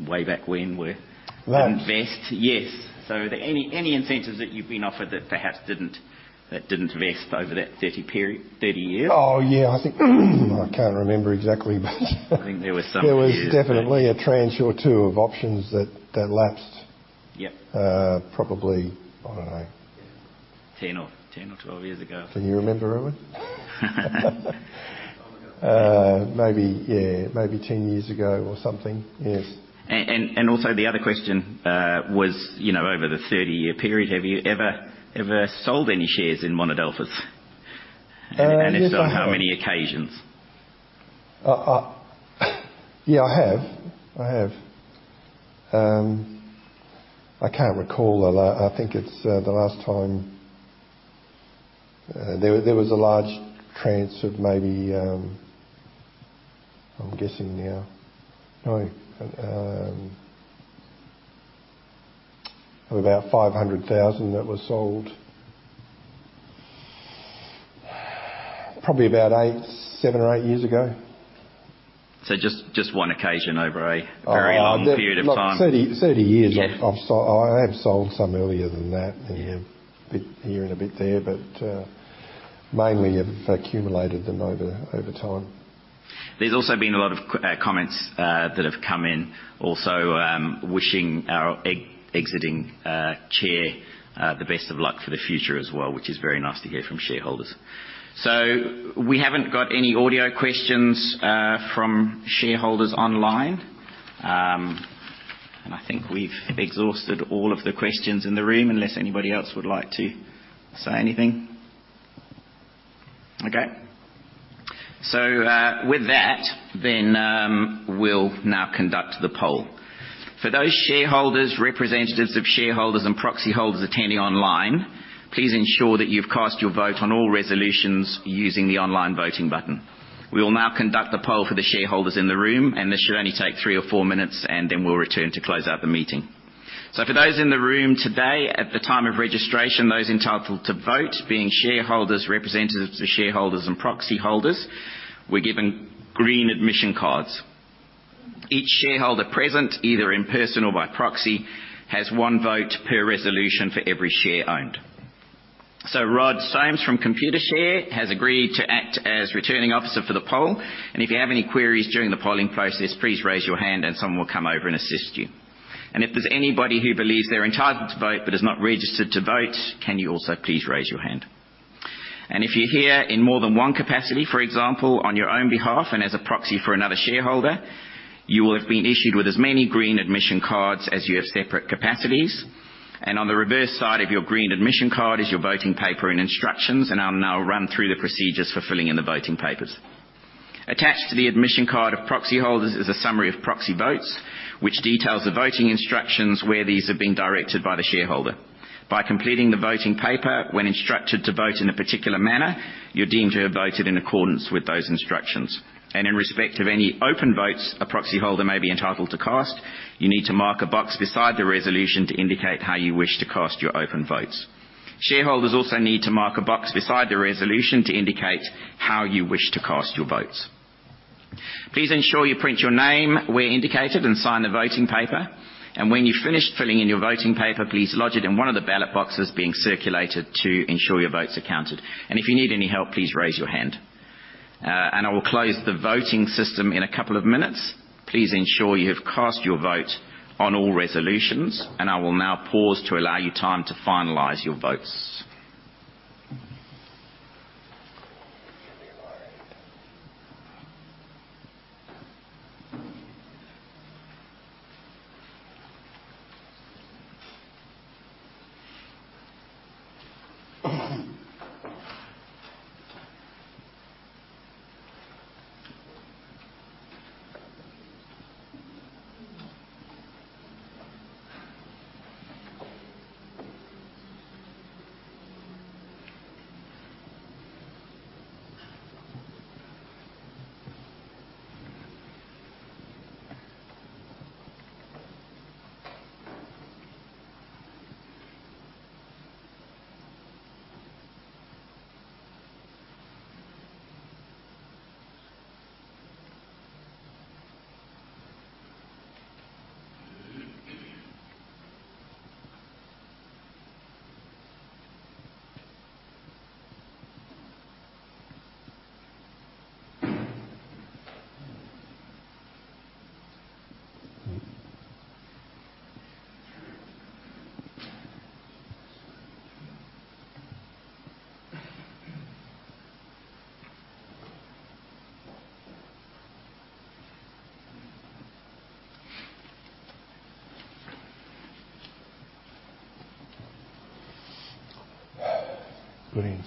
way back when. Lapsed? -unvest. Yes. Any incentives that you've been offered that perhaps didn't, that didn't vest over that 30 period, 30 years. Oh, yeah. I think I can't remember exactly, but. I think there were some years. There was definitely a tranche or two of options that lapsed. Yeah. Probably, I don't know. 10 or 12 years ago. Can you remember, Owen? maybe, yeah, maybe ten years ago or something. Yes. Also the other question was, you know, over the 30-year period, have you ever sold any shares in Monadelphous? Yes, I have. If so, how many occasions? I, yeah, I have. I have. I can't recall. I think it's the last time there was a large tranche of maybe, I'm guessing now. No. Of about 500,000 that was sold. Probably about eight, seven or eight years ago. just one occasion over a very long period of time. Oh, look, 30 years. Yes. I have sold some earlier than that. Yeah. A bit here and a bit there, mainly I've accumulated them over time. There's also been a lot of comments that have come in also, wishing our exiting chair the best of luck for the future as well, which is very nice to hear from shareholders. We haven't got any audio questions from shareholders online. I think we've exhausted all of the questions in the room, unless anybody else would like to say anything. With that, we'll now conduct the poll. For those shareholders, representatives of shareholders and proxy holders attending online, please ensure that you've cast your vote on all resolutions using the online voting button. We will now conduct the poll for the shareholders in the room, and this should only take three or four minutes, and then we'll return to close out the meeting. For those in the room today, at the time of registration, those entitled to vote, being shareholders, representatives of shareholders, and proxy holders, were given green admission cards. Each shareholder present, either in person or by proxy, has one vote per resolution for every share owned. Rod Somes from Computershare has agreed to act as Returning Officer for the poll. If you have any queries during the polling process, please raise your hand and someone will come over and assist you. If there's anybody who believes they're entitled to vote but is not registered to vote, can you also please raise your hand. If you're here in more than one capacity, for example, on your own behalf and as a proxy for another shareholder, you will have been issued with as many green admission cards as you have separate capacities. On the reverse side of your green admission card is your voting paper and instructions, I'll now run through the procedures for filling in the voting papers. Attached to the admission card of proxy holders is a summary of proxy votes, which details the voting instructions where these have been directed by the shareholder. By completing the voting paper when instructed to vote in a particular manner, you're deemed to have voted in accordance with those instructions. In respect of any open votes a proxy holder may be entitled to cast, you need to mark a box beside the resolution to indicate how you wish to cast your open votes. Shareholders also need to mark a box beside the resolution to indicate how you wish to cast your votes. Please ensure you print your name where indicated and sign the voting paper. When you've finished filling in your voting paper, please lodge it in one of the ballot boxes being circulated to ensure your votes are counted. If you need any help, please raise your hand. I will close the voting system in a couple of minutes. Please ensure you have cast your vote on all resolutions, I will now pause to allow you time to finalize your votes.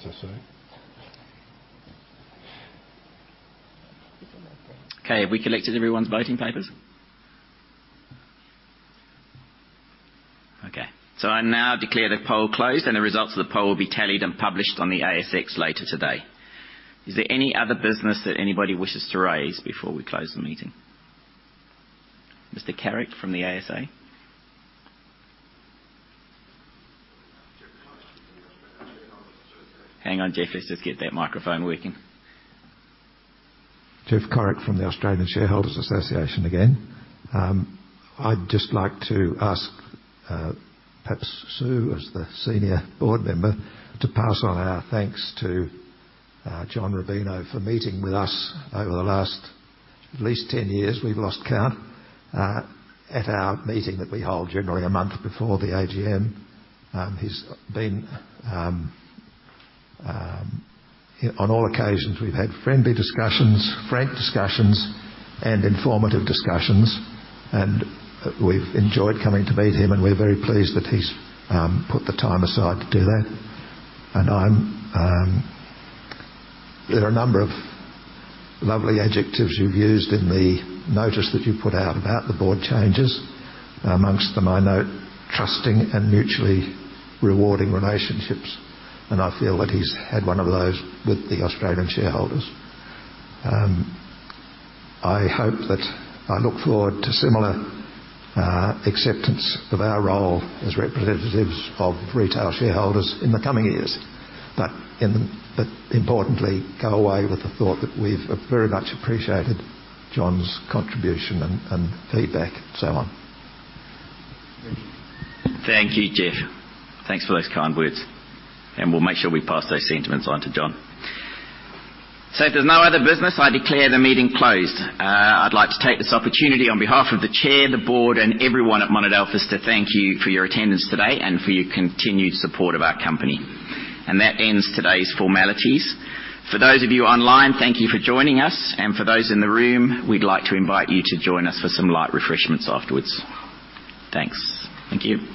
Put in, so sorry. Okay, have we collected everyone's voting papers? Okay. I now declare the poll closed, and the results of the poll will be tallied and published on the ASX later today. Is there any other business that anybody wishes to raise before we close the meeting? Mr. Corrick from the ASA. Hang on, Geoff. Let's just get that microphone working. Geoff Corrick from the Australian Shareholders' Association again. I'd just like to ask, perhaps Sue, as the senior board member, to pass on our thanks to John Rubino for meeting with us over the last at least 10 years, we've lost count, at our meeting that we hold generally a month before the AGM. On all occasions, we've had friendly discussions, frank discussions, and informative discussions, and we've enjoyed coming to meet him, and we're very pleased that he's put the time aside to do that. There are a number of lovely adjectives you've used in the notice that you put out about the board changes. Amongst them, I note trusting and mutually rewarding relationships, and I feel that he's had one of those with the Australian shareholders. I hope that I look forward to similar acceptance of our role as representatives of retail shareholders in the coming years, importantly, go away with the thought that we've very much appreciated John's contribution and feedback and so on. Thank you, Geoff. Thanks for those kind words, and we'll make sure we pass those sentiments on to John. If there's no other business, I declare the meeting closed. I'd like to take this opportunity on behalf of the Chair, the Board, and everyone at Monadelphous to thank you for your attendance today and for your continued support of our company. That ends today's formalities. For those of you online, thank you for joining us. For those in the room, we'd like to invite you to join us for some light refreshments afterwards. Thanks. Thank you.